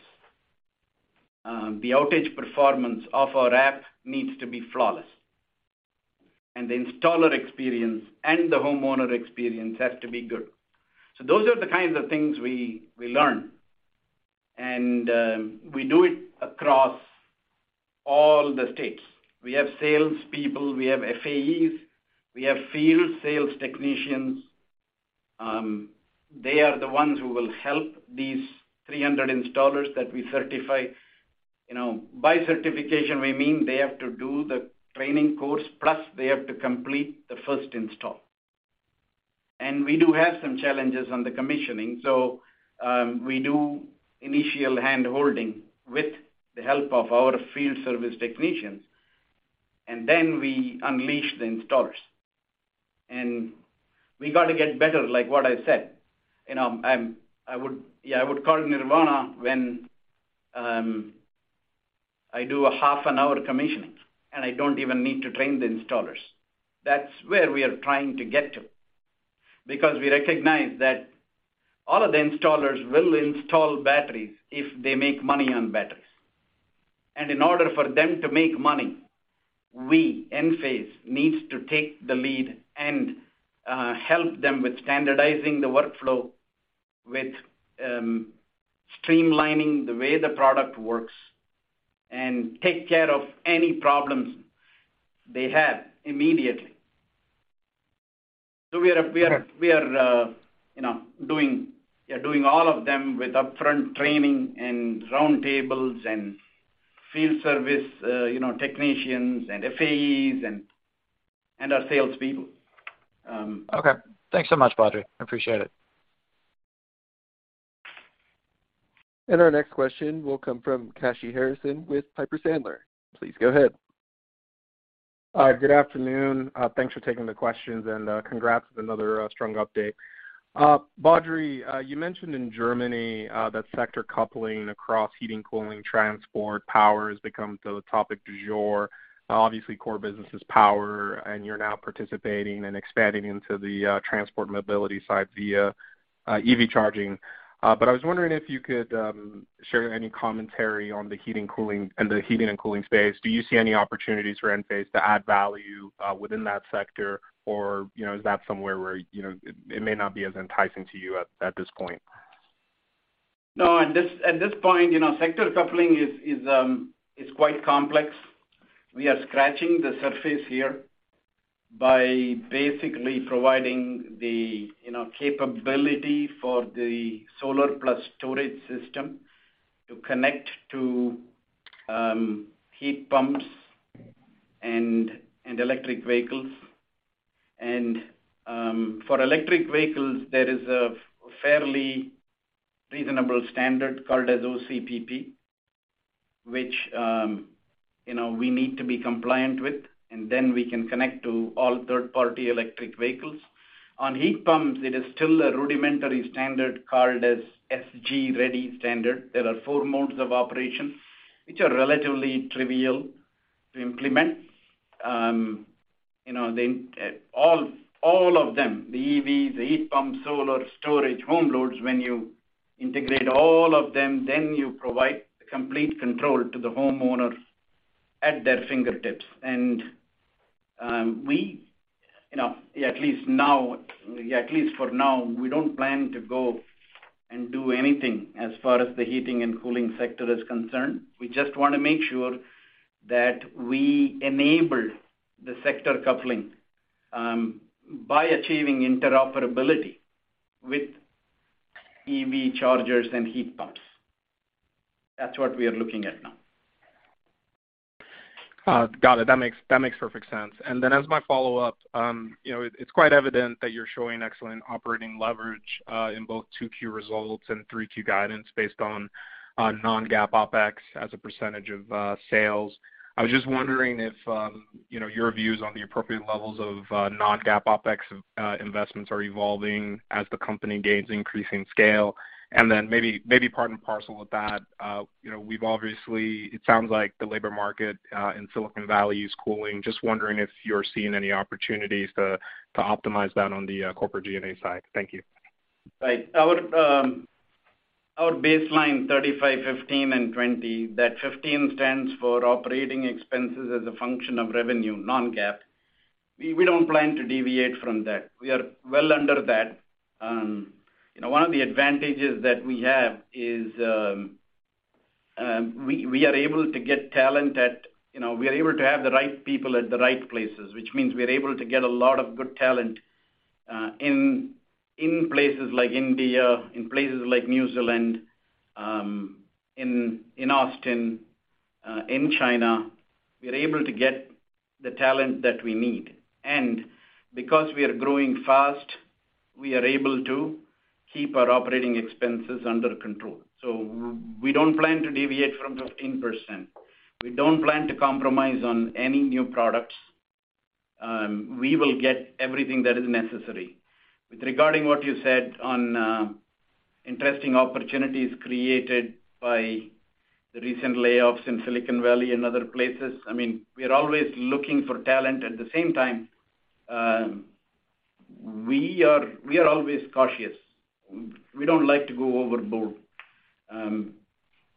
the outage performance of our app needs to be flawless. The installer experience and the homeowner experience has to be good. Those are the kinds of things we learn. We do it across all the states. We have salespeople, we have FAEs, we have field sales technicians. They are the ones who will help these 300 installers that we certify. You know, by certification, we mean they have to do the training course, plus they have to complete the first install. We do have some challenges on the commissioning. We do initial handholding with the help of our field service technicians, and then we unleash the installers. We gotta get better, like what I said. I would call it nirvana when I do a half an hour commissioning, and I don't even need to train the installers. That's where we are trying to get to. Because we recognize that all of the installers will install batteries if they make money on batteries. In order for them to make money, we, Enphase, needs to take the lead and help them with standardizing the workflow, with streamlining the way the product works, and take care of any problems they have immediately. We are doing all of them with upfront training and roundtables and field service, you know, technicians and FAEs and our salespeople. Okay. Thanks so much, Badri Kothandaraman. I appreciate it. Our next question will come from Kashy Harrison with Piper Sandler. Please go ahead. Hi. Good afternoon. Thanks for taking the questions, and congrats with another strong update. Badri Kothandaraman, you mentioned in Germany that sector coupling across heating, cooling, transport, power has become the topic du jour. Obviously, core business is power, and you're now participating and expanding into the transport and mobility side via EV charging. But I was wondering if you could share any commentary on the heating and cooling space. Do you see any opportunities for Enphase to add value within that sector? Or, you know, is that somewhere where, you know, it may not be as enticing to you at this point? No. At this point, you know, sector coupling is quite complex. We are scratching the surface here by basically providing the, you know, capability for the solar plus storage system to connect to heat pumps and electric vehicles. For electric vehicles, there is a fairly reasonable standard called as OCPP, which, you know, we need to be compliant with, and then we can connect to all third-party electric vehicles. On heat pumps, it is still a rudimentary standard called as SG Ready standard. There are four modes of operation, which are relatively trivial to implement. You know, all of them, the EVs, the heat pumps, solar, storage, home loads, when you integrate all of them, then you provide complete control to the homeowners at their fingertips. We, you know, at least for now, we don't plan to go and do anything as far as the heating and cooling sector is concerned. We just wanna make sure that we enable the sector coupling by achieving interoperability with EV chargers and heat pumps. That's what we are looking at now. Got it. That makes perfect sense. As my follow-up, you know, it's quite evident that you're showing excellent operating leverage in both 2Q results and 3Q guidance based on non-GAAP OpEx as a percentage of sales. I was just wondering if you know, your views on the appropriate levels of non-GAAP OpEx investments are evolving as the company gains increasing scale. Maybe part and parcel with that, you know, we've obviously. It sounds like the labor market in Silicon Valley is cooling. Just wondering if you're seeing any opportunities to optimize that on the corporate G&A side. Thank you. Right. Our baseline 35, 15, and 20, that 15 stands for operating expenses as a function of revenue non-GAAP. We don't plan to deviate from that. We are well under that. You know, one of the advantages that we have is, we are able to get talent at, you know, we are able to have the right people at the right places, which means we are able to get a lot of good talent, in places like India, in places like New Zealand, in Austin, in China. We are able to get the talent that we need. Because we are growing fast, we are able to keep our operating expenses under control. We don't plan to deviate from 15%. We don't plan to compromise on any new products. We will get everything that is necessary. With regard to what you said on interesting opportunities created by the recent layoffs in Silicon Valley and other places, I mean, we are always looking for talent. At the same time, we are always cautious. We don't like to go overboard.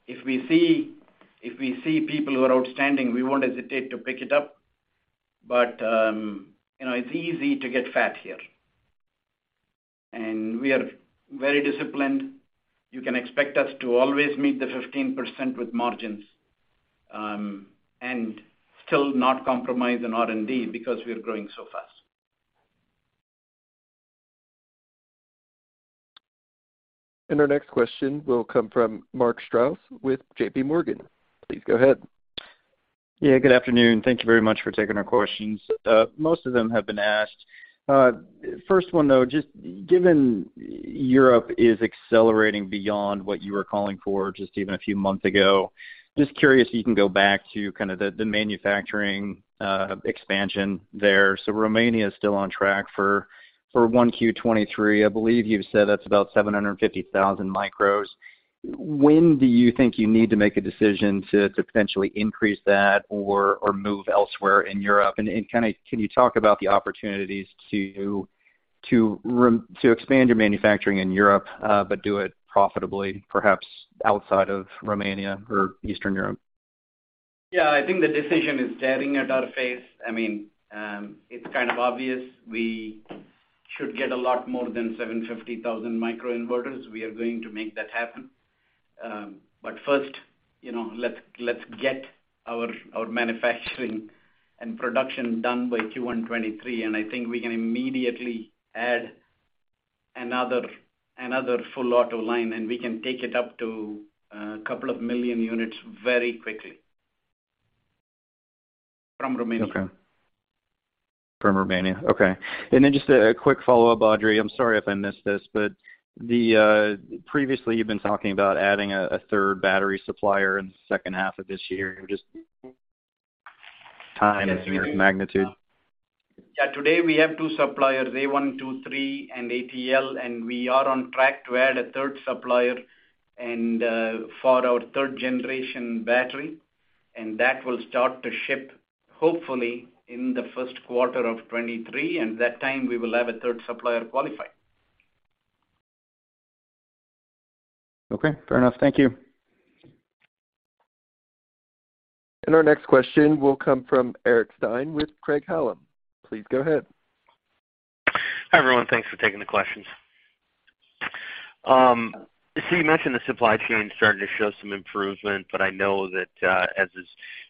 If we see people who are outstanding, we won't hesitate to pick it up. You know, it's easy to get fat here. We are very disciplined. You can expect us to always meet the 15% with margins, and still not compromise on R&D because we are growing so fast. Our next question will come from Mark Strouse with J.P. Morgan. Please go ahead. Yeah, good afternoon. Thank you very much for taking our questions. Most of them have been asked. First one, though, just given Europe is accelerating beyond what you were calling for just even a few months ago, just curious if you can go back to kind of the manufacturing expansion there. So Romania is still on track for Q1 2023. I believe you've said that's about 750,000 micros. When do you think you need to make a decision to potentially increase that or move elsewhere in Europe? Kinda can you talk about the opportunities to expand your manufacturing in Europe, but do it profitably, perhaps outside of Romania or Eastern Europe? I think the decision is staring at our face. I mean, it's kind of obvious. We should get a lot more than 750,000 microinverters. We are going to make that happen. But first, you know, let's get our manufacturing and production done by Q1 2023, and I think we can immediately add another full auto line, and we can take it up to couple of million units very quickly from Romania. Okay. From Romania. Okay. Just a quick follow-up, Badri. I'm sorry if I missed this, but previously you've been talking about adding a third battery supplier in the second half of this year. Just time and magnitude. Yeah. Today, we have two suppliers, A123 and ATL, and we are on track to add a third supplier and for our third generation battery, and that will start to ship hopefully in the first quarter of 2023, and at that time we will have a third supplier qualified. Okay, fair enough. Thank you. Our next question will come from Eric Stine with Craig-Hallum. Please go ahead. Hi, everyone. Thanks for taking the questions. You mentioned the supply chain starting to show some improvement, but I know that, as has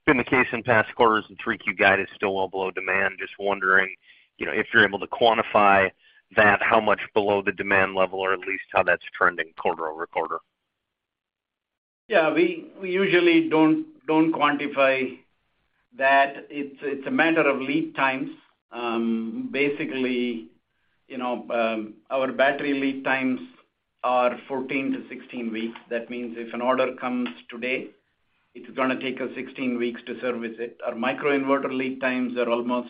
been the case in past quarters, the Q3 guide is still well below demand. Just wondering, you know, if you're able to quantify that, how much below the demand level or at least how that's trending quarter-over-quarter. We usually don't quantify that. It's a matter of lead times. Basically, you know, our battery lead times are 14-16 weeks. That means if an order comes today, it's gonna take us 16 weeks to service it. Our microinverter lead times are almost.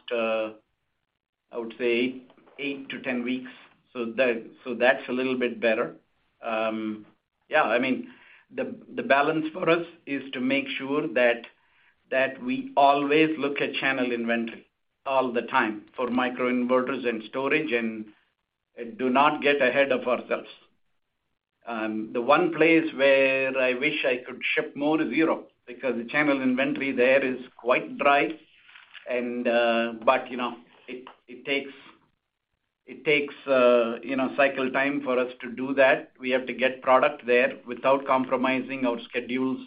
I would say 8-10 weeks. So that's a little bit better. I mean, the balance for us is to make sure that we always look at channel inventory all the time for microinverters and storage and do not get ahead of ourselves. The one place where I wish I could ship more is Europe because the channel inventory there is quite dry. You know, it takes you know, cycle time for us to do that. We have to get product there without compromising our schedules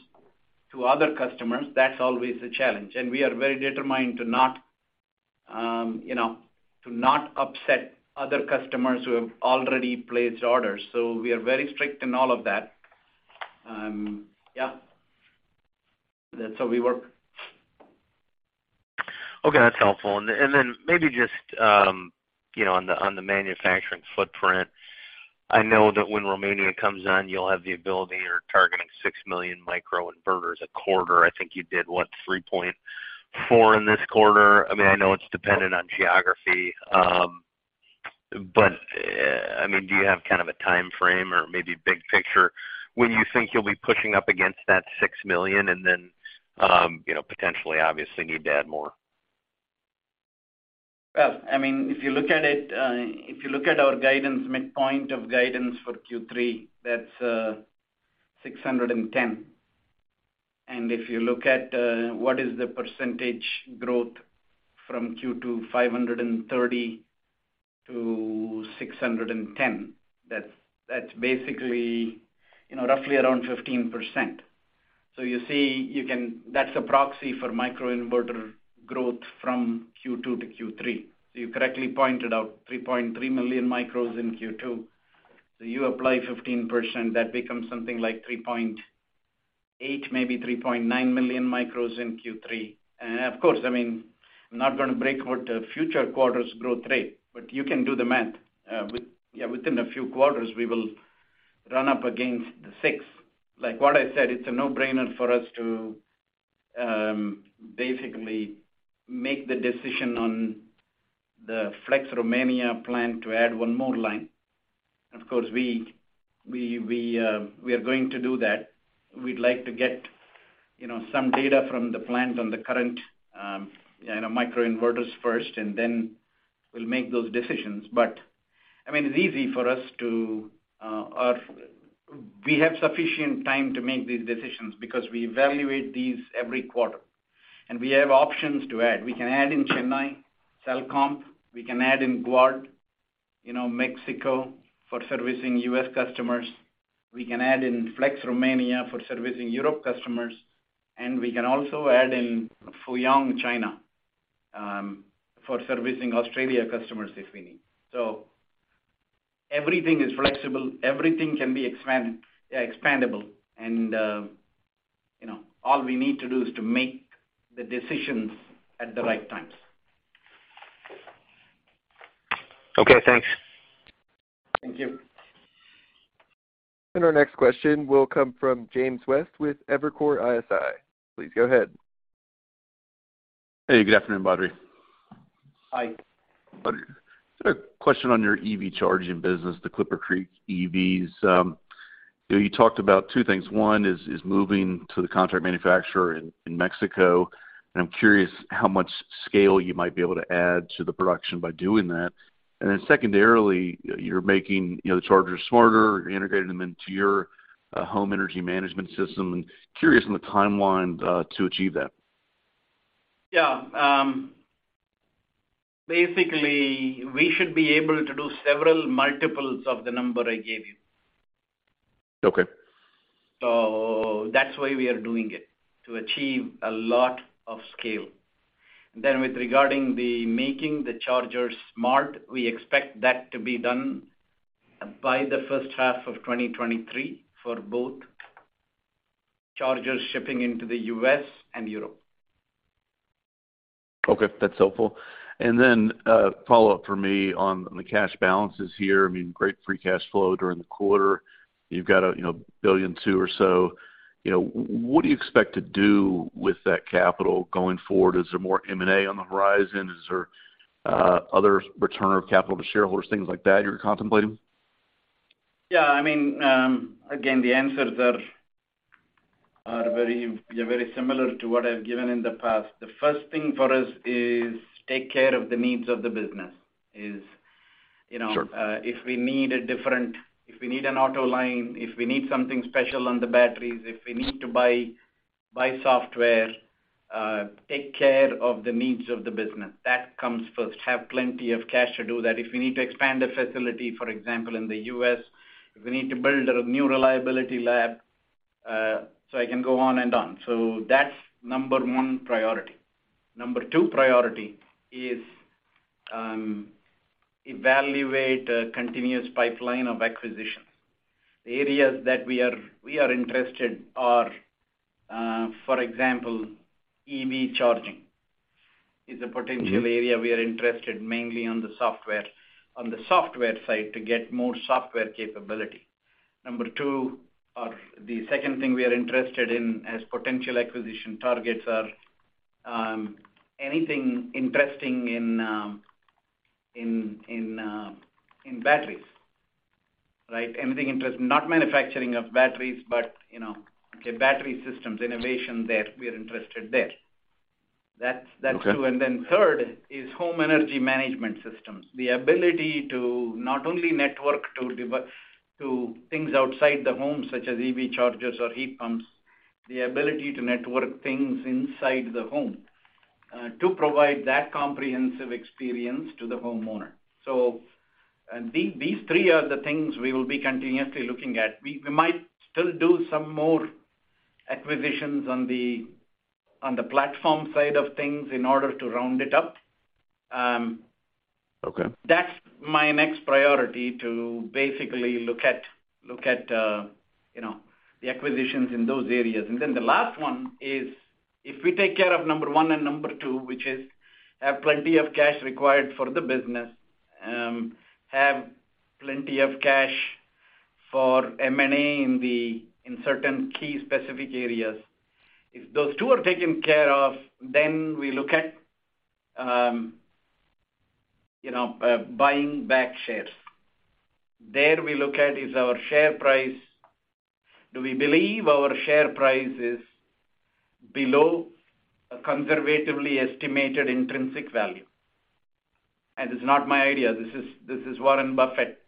to other customers. That's always a challenge. We are very determined to not, you know, upset other customers who have already placed orders. We are very strict in all of that. That's how we work. Okay, that's helpful. Maybe just, you know, on the manufacturing footprint, I know that when Romania comes on, you'll have the ability or targeting six million microinverters a quarter. I think you did, what? 3.4 in this quarter. I mean, I know it's dependent on geography. I mean, do you have kind of a timeframe or maybe big picture when you think you'll be pushing up against that six million and then, you know, potentially obviously need to add more? I mean, if you look at it, if you look at our guidance, midpoint of guidance for Q3, that's $610. If you look at what is the percentage growth from Q2, $530-$610, that's basically, you know, roughly around 15%. You see you can. That's a proxy for microinverter growth from Q2 to Q3. You correctly pointed out 3.3 million micros in Q2. You apply 15%, that becomes something like 3.8, maybe 3.9 million micros in Q3. Of course, I mean, I'm not gonna break out the future quarters growth rate, but you can do the math. Within a few quarters, we will run up against the six. Like what I said, it's a no-brainer for us to basically make the decision on the Flex Romania plan to add one more line. Of course, we are going to do that. We'd like to get, you know, some data from the plant on the current, you know, microinverters first, and then we'll make those decisions. But I mean, it's easy for us to or we have sufficient time to make these decisions because we evaluate these every quarter. We have options to add. We can add in Chennai, Salcomp, we can add in Guadalajara, you know, Mexico for servicing U.S. customers. We can add in Flex Romania for servicing Europe customers, and we can also add in Fuyang, China, for servicing Australia customers if we need. Everything is flexible, everything can be expandable, and you know, all we need to do is to make the decisions at the right times. Okay, thanks. Thank you. Our next question will come from James West with Evercore ISI. Please go ahead. Hey, good afternoon, Badri. Hi. Badri, just a question on your EV charging business, the ClipperCreek EVs. You talked about two things. One is moving to the contract manufacturer in Mexico, and I'm curious how much scale you might be able to add to the production by doing that. Then secondarily, you're making, you know, the chargers smarter, you're integrating them into your home energy management system. I'm curious on the timeline to achieve that. Yeah. Basically, we should be able to do several multiples of the number I gave you. Okay. That's why we are doing it, to achieve a lot of scale. With regard to making the chargers smart, we expect that to be done by the first half of 2023 for both chargers shipping into the U.S. and Europe. Okay, that's helpful. Follow-up for me on the cash balances here. I mean, great free cash flow during the quarter. You've got, you know, $1.2 billion or so. You know, what do you expect to do with that capital going forward? Is there more M&A on the horizon? Is there other return of capital to shareholders, things like that you're contemplating? Yeah, I mean, again, the answers are very, they're very similar to what I've given in the past. The first thing for us is take care of the needs of the business. Sure If we need an auto line, if we need something special on the batteries, if we need to buy software, take care of the needs of the business. That comes first. Have plenty of cash to do that. If we need to expand a facility, for example, in the U.S., if we need to build a new reliability lab, so I can go on and on. That's number one priority. Number two priority is evaluate a continuous pipeline of acquisitions. The areas that we are interested are, for example, EV charging is a potential area we are interested, mainly on the software side to get more software capability. Number two, or the second thing we are interested in as potential acquisition targets are anything interesting in batteries. Right? Not manufacturing of batteries, but you know, okay, battery systems, innovation there, we are interested there. That's two. Okay. Third is home energy management systems. The ability to not only network to things outside the home, such as EV chargers or heat pumps, the ability to network things inside the home, to provide that comprehensive experience to the homeowner. These three are the things we will be continuously looking at. We might still do some more acquisitions on the platform side of things in order to round it up. Okay. That's my next priority to basically look at the acquisitions in those areas. The last one is if we take care of number one and number two, which is have plenty of cash required for the business, have plenty of cash for M&A in certain key specific areas. If those two are taken care of, we look at buying back shares. Then we look at our share price. Do we believe our share price is below a conservatively estimated intrinsic value? It's not my idea. This is what Warren Buffett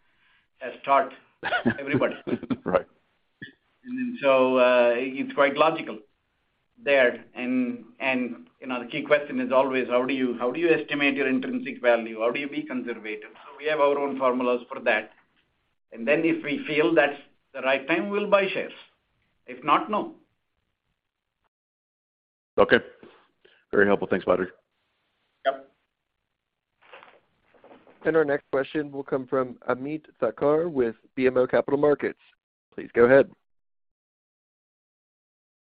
has taught everybody. Right. It's quite logical there and, you know, the key question is always how do you estimate your intrinsic value? How do you be conservative? We have our own formulas for that. Then if we feel that's the right time, we'll buy shares. If not, no. Okay. Very helpful. Thanks, Badri Kothandaraman. Yep. Our next question will come from Ameet Thakkar with BMO Capital Markets. Please go ahead.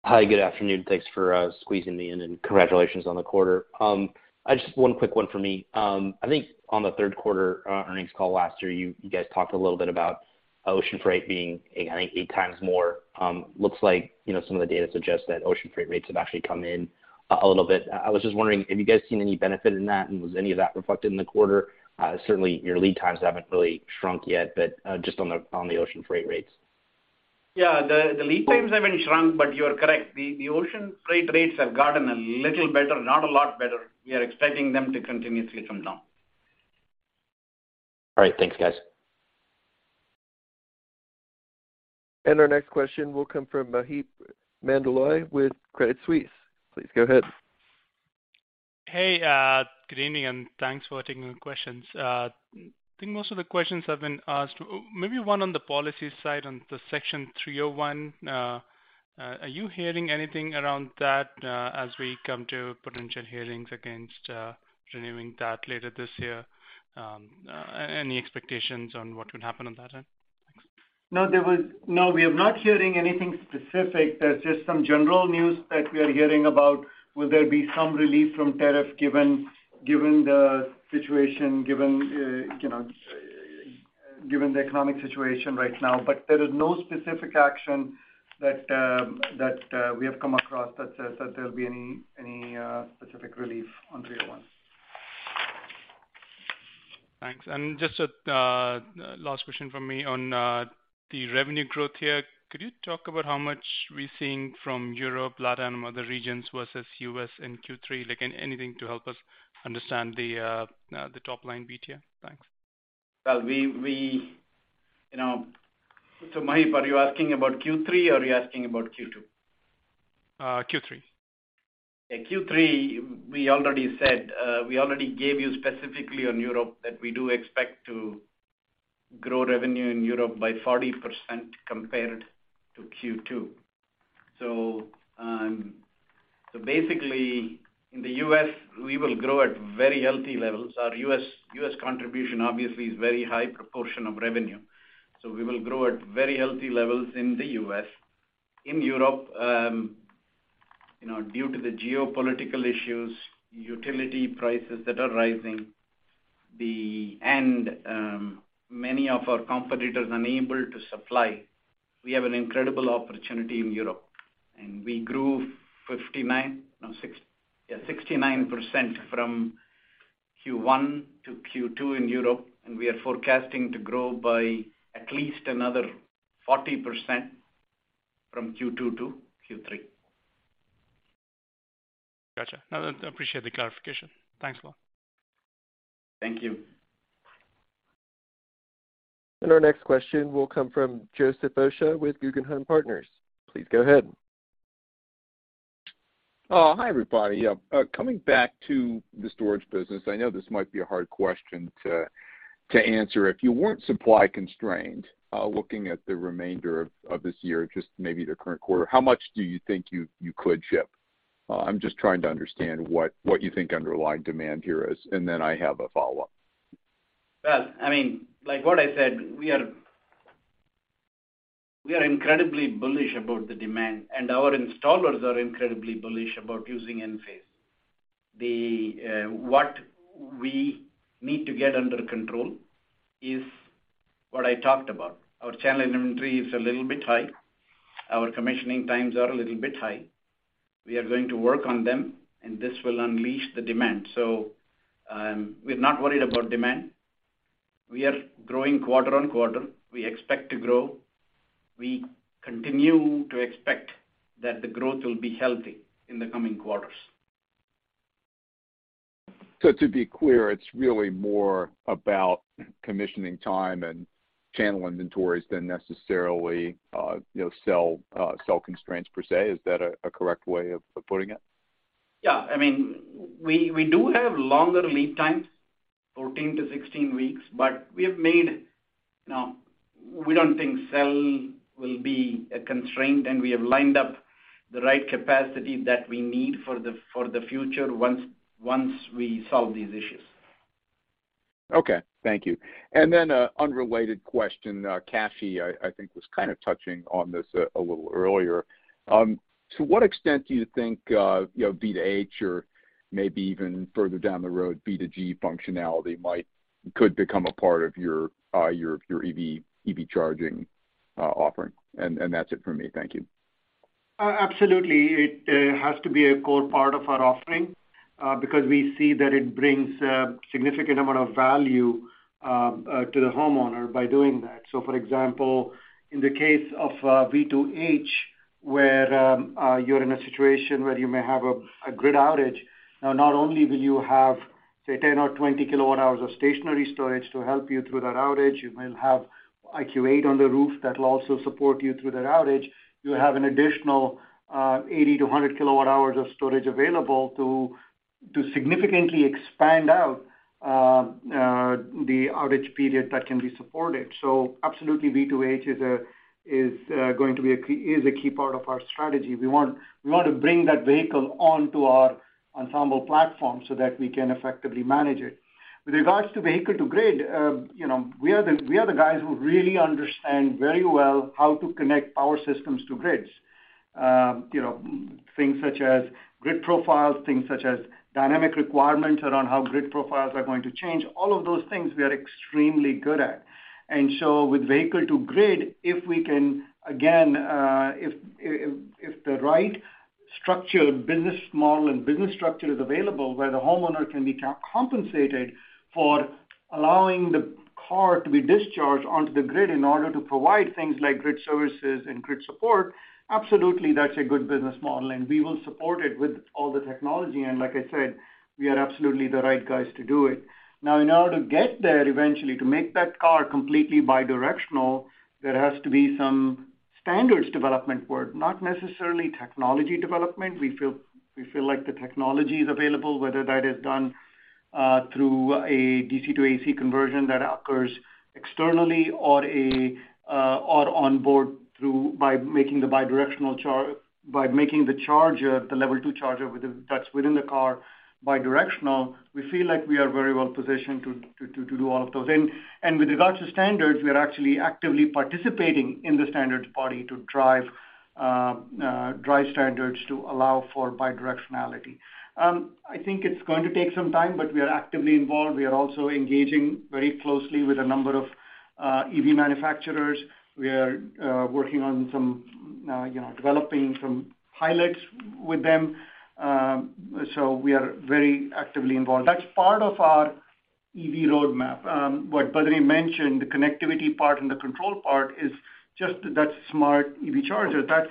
Hi, good afternoon. Thanks for squeezing me in, and congratulations on the quarter. I just one quick one for me. I think on the third quarter earnings call last year, you guys talked a little bit about ocean freight being, I think 8x more. Looks like, you know, some of the data suggests that ocean freight rates have actually come in a little bit. I was just wondering, have you guys seen any benefit in that? And was any of that reflected in the quarter? Certainly your lead times haven't really shrunk yet, but just on the ocean freight rates. Yeah. The lead times haven't shrunk, but you are correct. The ocean freight rates have gotten a little better, not a lot better. We are expecting them to continuously come down. All right. Thanks, guys. Our next question will come from Maheep Mandloi with Credit Suisse. Please go ahead. Hey, good evening, and thanks for taking the questions. I think most of the questions have been asked. Maybe one on the policy side, on the Section 301. Are you hearing anything around that, as we come to potential hearings against renewing that later this year? Any expectations on what could happen on that end? Thanks. No, we are not hearing anything specific. There's just some general news that we are hearing about will there be some relief from tariff given the situation, you know, given the economic situation right now. There is no specific action that we have come across that says that there'll be any specific relief on 301. Thanks. Just a last question from me on the revenue growth here. Could you talk about how much we're seeing from Europe, LatAm, other regions versus U.S. in Q3? Like, anything to help us understand the top line beat here. Thanks. Well, you know. Maheep, are you asking about Q3 or are you asking about Q2? Q3. Yeah, Q3, we already said, we already gave you specifically on Europe that we do expect to grow revenue in Europe by 40% compared to Q2. Basically in the U.S., we will grow at very healthy levels. Our U.S. contribution obviously is very high proportion of revenue. We will grow at very healthy levels in the U.S. In Europe, you know, due to the geopolitical issues, utility prices that are rising, and many of our competitors unable to supply, we have an incredible opportunity in Europe. We grew 69% from Q1 to Q2 in Europe, and we are forecasting to grow by at least another 40% from Q2 to Q3. Gotcha. No, I appreciate the clarification. Thanks a lot. Thank you. Our next question will come from Joseph Osha with Guggenheim Partners. Please go ahead. Hi, everybody. Coming back to the storage business, I know this might be a hard question to answer. If you weren't supply constrained, looking at the remainder of this year, just maybe the current quarter, how much do you think you could ship? I'm just trying to understand what you think underlying demand here is. I have a follow-up. Well, I mean, like what I said, we are incredibly bullish about the demand, and our installers are incredibly bullish about using Enphase. What we need to get under control is what I talked about. Our channel inventory is a little bit high. Our commissioning times are a little bit high. We are going to work on them, and this will unleash the demand. We're not worried about demand. We are growing quarter-on-quarter. We expect to grow. We continue to expect that the growth will be healthy in the coming quarters. To be clear, it's really more about commissioning time and channel inventories than necessarily, you know, cell constraints per se. Is that a correct way of putting it? Yeah. I mean, we do have longer lead times, 14-16 weeks. No, we don't think cell will be a constraint, and we have lined up the right capacity that we need for the future once we solve these issues. Okay. Thank you. Then an unrelated question. Kashy, I think, was kind of touching on this a little earlier. To what extent do you think V2H or maybe even further down the road, V2G functionality could become a part of your EV charging offering? That's it for me. Thank you. Absolutely. It has to be a core part of our offering, because we see that it brings a significant amount of value to the homeowner by doing that. For example, in the case of V2H, where you're in a situation where you may have a grid outage, now not only will you have, say, 10 or 20 kWh of stationary storage to help you through that outage, you will have IQ8 on the roof that will also support you through that outage. You'll have an additional 80 kWh-100 kWh of storage available to significantly expand out the outage period that can be supported. Absolutely V2H is a key part of our strategy. We want to bring that vehicle onto our Ensemble platform so that we can effectively manage it. With regards to vehicle to grid, you know, we are the guys who really understand very well how to connect power systems to grids. You know, things such as grid profiles, things such as dynamic requirements around how grid profiles are going to change, all of those things we are extremely good at. With vehicle to grid, if we can, again, if the right structured business model and business structure is available, where the homeowner can be compensated for allowing the car to be discharged onto the grid in order to provide things like grid services and grid support, absolutely that's a good business model, and we will support it with all the technology. Like I said, we are absolutely the right guys to do it. Now in order to get there eventually, to make that car completely bidirectional, there has to be some standards development work, not necessarily technology development. We feel like the technology is available, whether that is done through a DC to AC conversion that occurs externally or on board by making the charger, the Level 2 charger that's within the car bidirectional. We feel like we are very well positioned to do all of those in. With regards to standards, we are actually actively participating in the standards body to drive standards to allow for bidirectionality. I think it's going to take some time, but we are actively involved. We are also engaging very closely with a number of EV manufacturers. We are working on developing some pilots with them. We are very actively involved. That's part of our EV roadmap. What Badri mentioned, the connectivity part and the control part, is just that smart EV charger. That's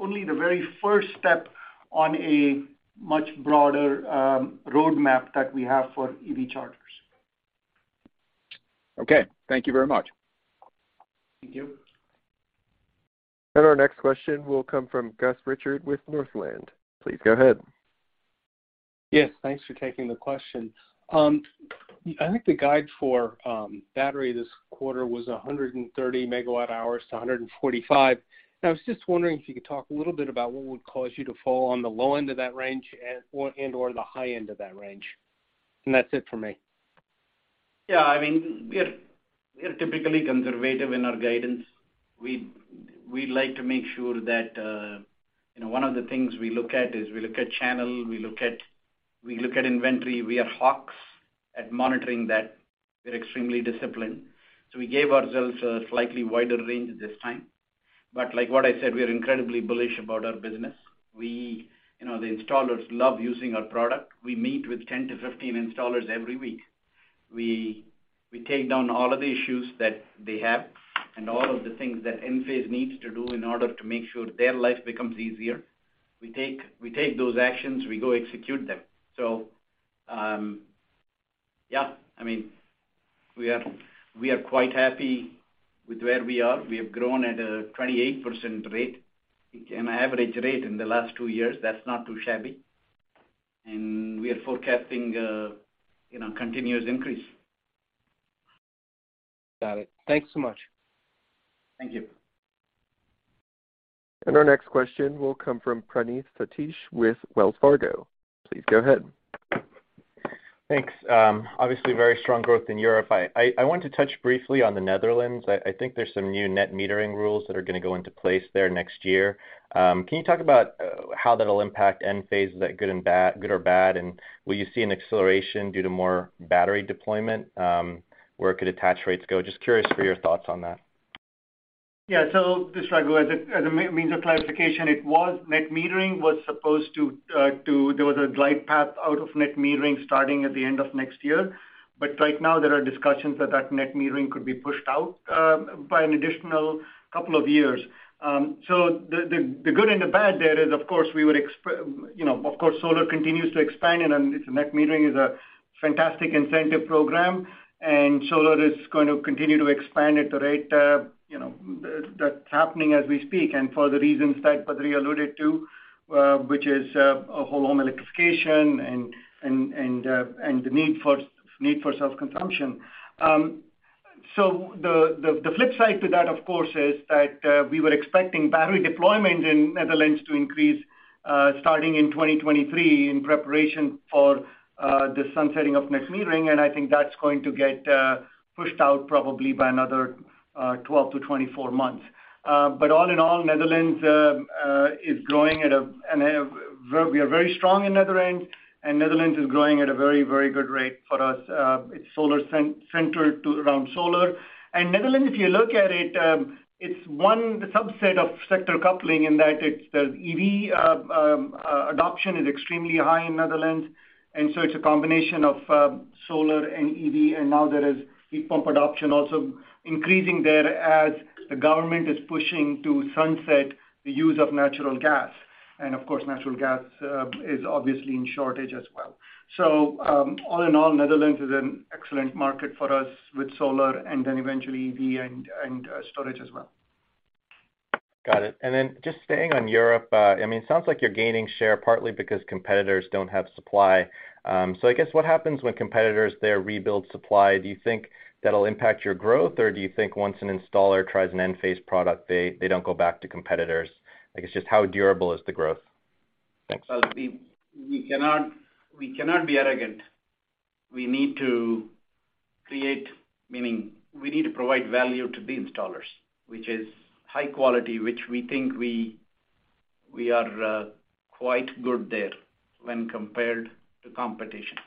only the very first step on a much broader roadmap that we have for EV chargers. Okay. Thank you very much. Thank you. Our next question will come from Gus Richard with Northland. Please go ahead. Yes, thanks for taking the question. I think the guide for battery this quarter was 130 MWh-145 MWh, and I was just wondering if you could talk a little bit about what would cause you to fall on the low end of that range and/or the high end of that range. That's it for me. Yeah. I mean, we are typically conservative in our guidance. We like to make sure that, you know, one of the things we look at is we look at channel, we look at inventory. We are hawks at monitoring that. We're extremely disciplined. We gave ourselves a slightly wider range this time. Like what I said, we are incredibly bullish about our business. We. You know, the installers love using our product. We meet with 10-15 installers every week. We take down all of the issues that they have and all of the things that Enphase needs to do in order to make sure their life becomes easier. We take those actions, we go execute them. Yeah. I mean, we are quite happy with where we are. We have grown at a 28% rate, an average rate in the last two years. That's not too shabby. We are forecasting continuous increase. Got it. Thanks so much. Thank you. Our next question will come from Praneeth Satish with Wells Fargo. Please go ahead. Thanks. Obviously very strong growth in Europe. I want to touch briefly on the Netherlands. I think there's some new net metering rules that are gonna go into place there next year. Can you talk about how that'll impact Enphase? Is that good or bad, and will you see an acceleration due to more battery deployment, where could attach rates go? Just curious for your thoughts on that. Yeah. Just Raghu, as a means of clarification, net metering was supposed to there was a glide path out of net metering starting at the end of next year. Right now, there are discussions that net metering could be pushed out by an additional couple of years. The good and the bad there is of course we would you know, of course solar continues to expand and its net metering is a fantastic incentive program, and solar is going to continue to expand at the rate you know that's happening as we speak, and for the reasons that Badri alluded to which is a whole home electrification and the need for self-consumption. The flip side to that, of course, is that we were expecting battery deployment in Netherlands to increase starting in 2023 in preparation for the sunsetting of net metering, and I think that's going to get pushed out probably by another 12-24 months. All in all, we are very strong in Netherlands, and Netherlands is growing at a very, very good rate for us. It's solar-centered around solar. Netherlands, if you look at it's one subset of sector coupling in that it's the EV adoption is extremely high in Netherlands. It's a combination of solar and EV, and now there is heat pump adoption also increasing there as the government is pushing to sunset the use of natural gas. Of course, natural gas is obviously in shortage as well. All in all, Netherlands is an excellent market for us with solar and then eventually EV and storage as well. Got it. Just staying on Europe, I mean, it sounds like you're gaining share partly because competitors don't have supply. I guess what happens when competitors there rebuild supply? Do you think that'll impact your growth? Or do you think once an installer tries an Enphase product, they don't go back to competitors? I guess just how durable is the growth? Thanks. Well, we cannot be arrogant. We need to create, meaning we need to provide value to the installers, which is high quality, which we think we are quite good there when compared to competition.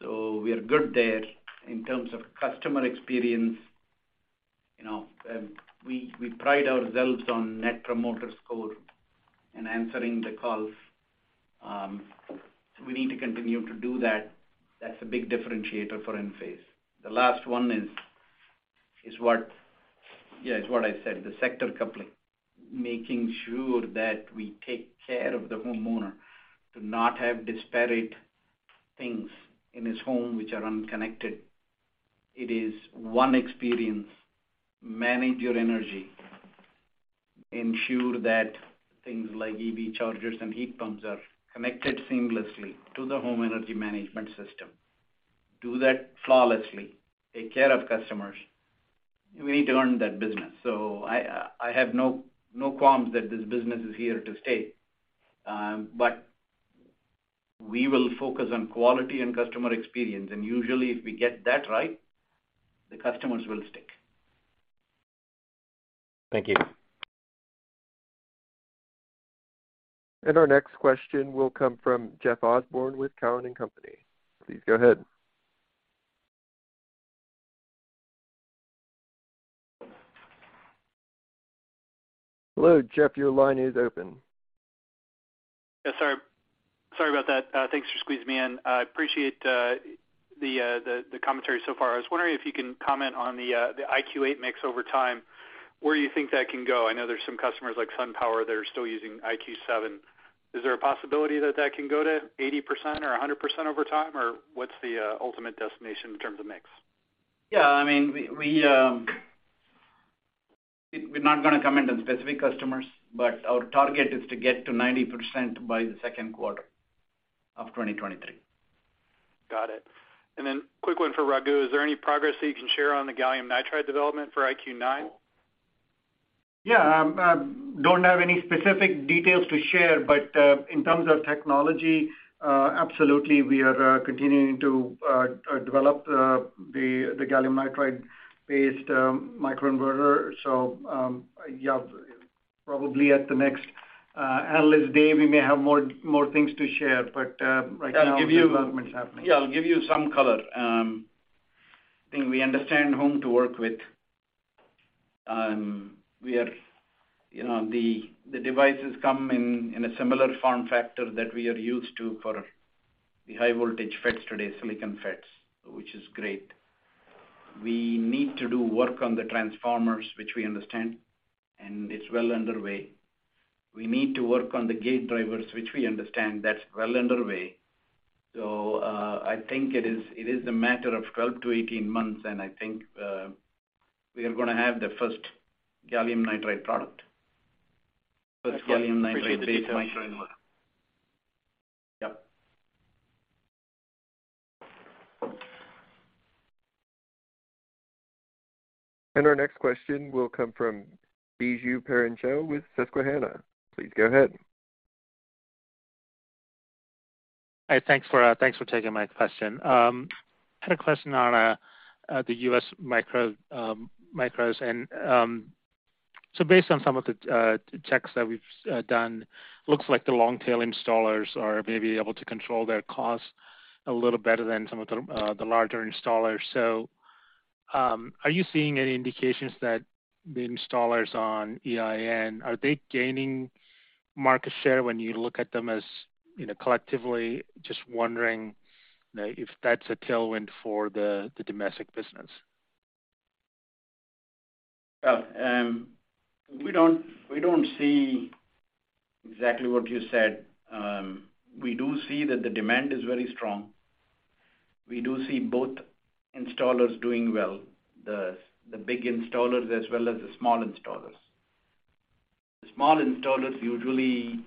We are good there in terms of customer experience, you know, we pride ourselves on Net Promoter Score and answering the calls. We need to continue to do that. That's a big differentiator for Enphase. The last one is what I said, the sector coupling, making sure that we take care of the homeowner to not have disparate things in his home which are unconnected. It is one experience, manage your energy, ensure that things like EV chargers and heat pumps are connected seamlessly to the home energy management system. Do that flawlessly, take care of customers. We need to earn that business. I have no qualms that this business is here to stay. We will focus on quality and customer experience. Usually, if we get that right, the customers will stick. Thank you. Our next question will come from Jeff Osborne with Cowen and Company. Please go ahead. Hello, Jeff, your line is open. Yeah, sorry about that. Thanks for squeezing me in. I appreciate the commentary so far. I was wondering if you can comment on the IQ8 mix over time, where you think that can go. I know there's some customers like SunPower that are still using IQ7. Is there a possibility that that can go to 80% or 100% over time? Or what's the ultimate destination in terms of mix? Yeah, I mean, we're not gonna comment on specific customers, but our target is to get to 90% by the second quarter of 2023. Got it. Quick one for Raghu. Is there any progress that you can share on the gallium nitride development for IQ9? Yeah. Don't have any specific details to share, but in terms of technology, absolutely, we are continuing to develop the gallium nitride-based microinverter. Yeah, probably at the next analyst day, we may have more things to share. Right now- I'll give you- Development is happening. Yeah, I'll give you some color. I think we understand whom to work with. We are the devices come in a similar form factor that we are used to for the high voltage FETs today, silicon FETs, which is great. We need to do work on the transformers, which we understand, and it's well underway. We need to work on the gate drivers, which we understand that's well underway. I think it is a matter of 12-18 months, and I think we are gonna have the first gallium nitride product. First gallium nitride-based microinverter. Appreciate the details. Yep. Our next question will come from Biju Perincheril with Susquehanna. Please go ahead. Hi, thanks for taking my question. I had a question on the U.S. micro, micros and Based on some of the checks that we've done, looks like the long tail installers are maybe able to control their costs a little better than some of the larger installers. Are you seeing any indications that the installers on EIN, are they gaining market share when you look at them as, you know, collectively just wondering, you know, if that's a tailwind for the domestic business? Yeah. We don't see exactly what you said. We do see that the demand is very strong. We do see both installers doing well, the big installers as well as the small installers. The small installers usually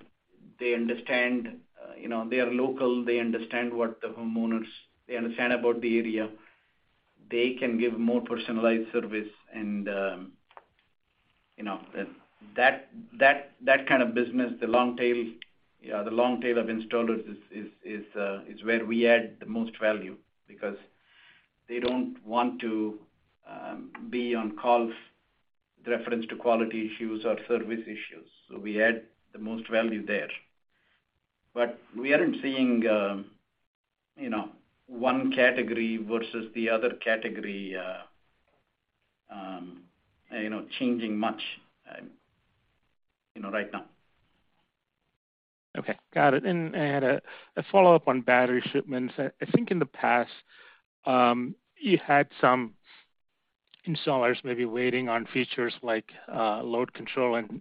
they understand, you know, they are local. They understand about the area. They can give more personalized service and, you know. That kind of business, the long tail of installers is where we add the most value because they don't want to be on calls with reference to quality issues or service issues. We add the most value there. We aren't seeing, you know, one category versus the other category, you know, changing much, you know, right now. Okay. Got it. I had a follow-up on battery shipments. I think in the past, you had some installers maybe waiting on features like load control and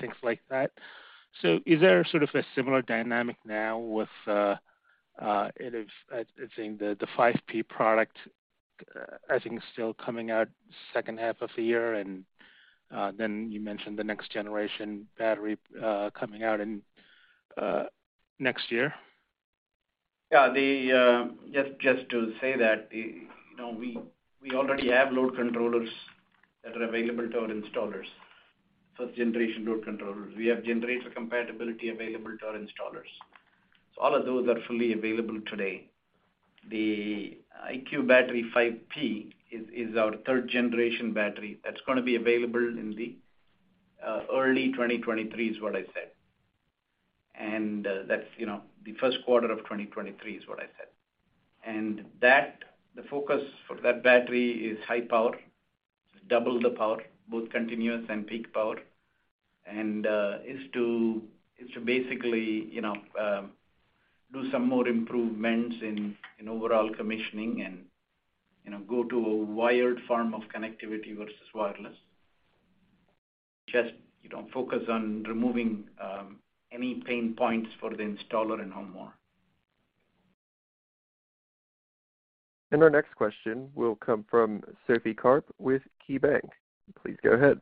things like that. Is there sort of a similar dynamic now with the 5P product I think is still coming out second half of the year, and then you mentioned the next generation battery coming out in next year. Yeah. Just to say that. You know, we already have load controllers that are available to our installers, first generation load controllers. We have generator compatibility available to our installers. All of those are fully available today. The IQ Battery 5P is our third generation battery. That's gonna be available in the early 2023 is what I said. That's you know the first quarter of 2023 is what I said. That, the focus for that battery is high power, double the power, both continuous and peak power. Is to basically you know do some more improvements in overall commissioning and you know go to a wired form of connectivity versus wireless. Just you know focus on removing any pain points for the installer and home owner. Our next question will come from Sophie Karp with KeyBanc. Please go ahead.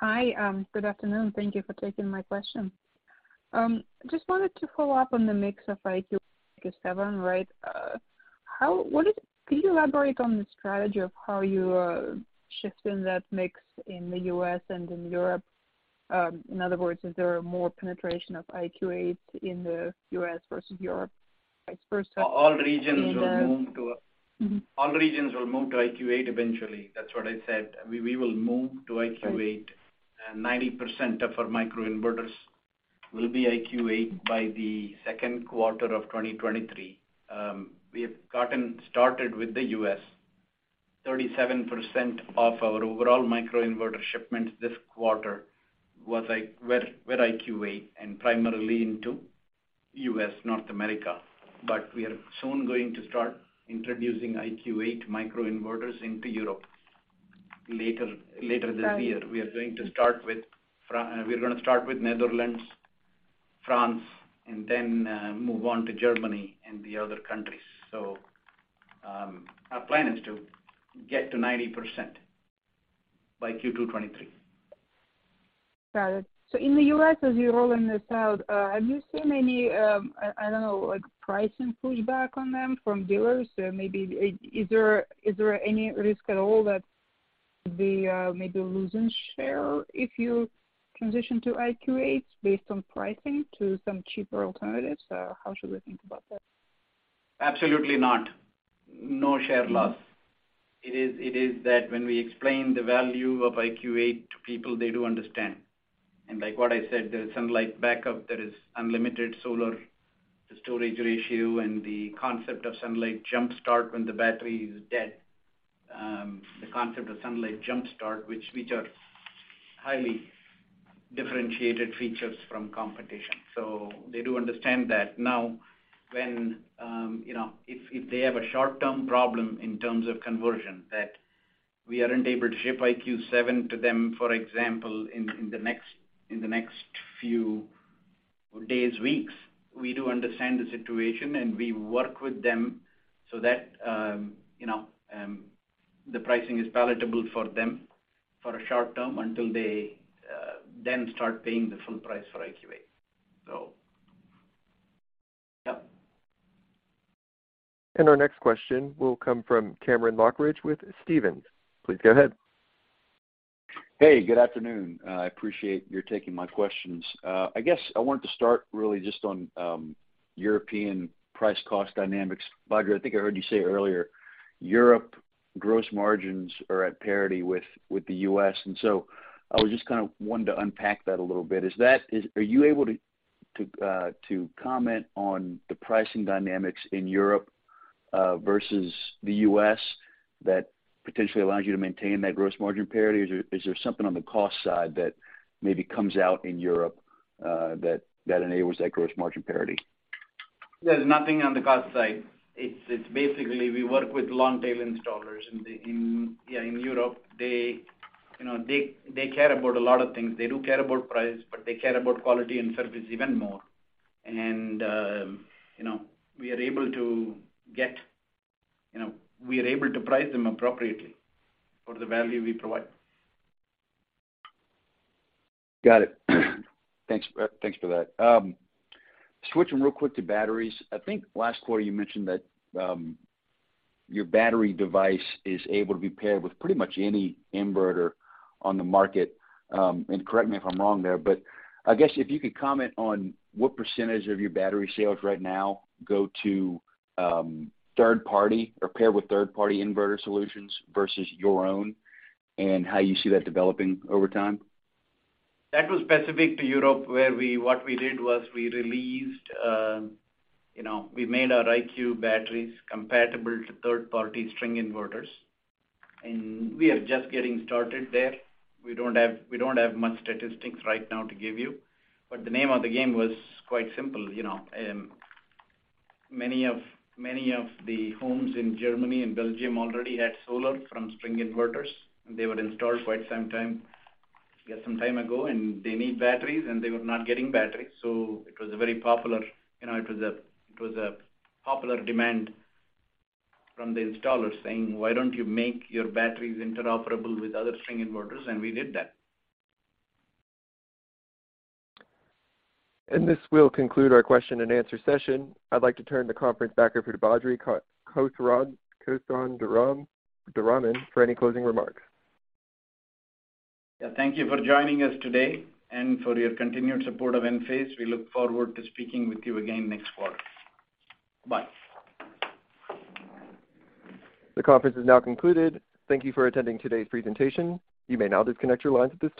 Hi. Good afternoon. Thank you for taking my question. Just wanted to follow up on the mix of IQ7, right? Can you elaborate on the strategy of how you are shifting that mix in the U.S. and in Europe? In other words, is there more penetration of IQ8 in the U.S. versus Europe, vice versa? All regions will move to. In the- All regions will move to IQ8 eventually. That's what I said. We will move to IQ8. Right. 90% of our microinverters will be IQ8 by the second quarter of 2023. We have gotten started with the U.S. 37% of our overall microinverter shipments this quarter were IQ8 and primarily into U.S., North America. We are soon going to start introducing IQ8 microinverters into Europe later this year. Got it. We're gonna start with Netherlands, France, and then move on to Germany and the other countries. Our plan is to get to 90% by Q2 2023. Got it. In the U.S., as you're rolling this out, have you seen any, I don't know, like pricing pushback on them from dealers? Maybe, is there any risk at all that you could be, maybe losing share if you transition to IQ8s based on pricing to some cheaper alternatives? How should we think about that? Absolutely not. No share loss. Mm-hmm. It is that when we explain the value of IQ8 to people, they do understand. Like what I said, there is sunlight backup, there is unlimited solar-to-storage ratio, and the concept of Sunlight Jump Start when the battery is dead. The concept of Sunlight Jump Start, which are highly differentiated features from competition. They do understand that. Now, when you know, if they have a short-term problem in terms of conversion that we aren't able to ship IQ7 to them, for example, in the next few days, weeks, we do understand the situation, and we work with them so that you know, the pricing is palatable for them for a short term until they then start paying the full price for IQ8. Yep. Our next question will come from Cameron Lochridge with Stephens. Please go ahead. Hey, good afternoon. I appreciate you taking my questions. I guess I wanted to start really just on, European price cost dynamics. Badri, I think I heard you say earlier, Europe gross margins are at parity with the U.S. I was just kind of wanting to unpack that a little bit. Are you able to comment on the pricing dynamics in Europe versus the U.S. that potentially allows you to maintain that gross margin parity or is there something on the cost side that maybe comes out in Europe that enables that gross margin parity? There's nothing on the cost side. It's basically we work with long tail installers in Europe. They, you know, they care about a lot of things. They do care about price, but they care about quality and service even more. You know, we are able to price them appropriately for the value we provide. Got it. Thanks for that. Switching real quick to batteries. I think last quarter you mentioned that your battery device is able to be paired with pretty much any inverter on the market. Correct me if I'm wrong there, but I guess if you could comment on what percentage of your battery sales right now go to third party or pair with third-party inverter solutions versus your own, and how you see that developing over time. That was specific to Europe, where what we did was we released, we made our IQ Battery compatible to third-party string inverters. We are just getting started there. We don't have much statistics right now to give you, but the name of the game was quite simple. Many of the homes in Germany and Belgium already had solar from string inverters, and they were installed quite some time, I guess, some time ago, and they need batteries, and they were not getting batteries. It was a very popular demand from the installers saying, "Why don't you make your batteries interoperable with other string inverters?" We did that. This will conclude our question-and-answer session. I'd like to turn the conference back over to Badri Kothandaraman for any closing remarks. Yeah. Thank you for joining us today and for your continued support of Enphase. We look forward to speaking with you again next quarter. Bye. The conference is now concluded. Thank you for attending today's presentation. You may now disconnect your lines at this time.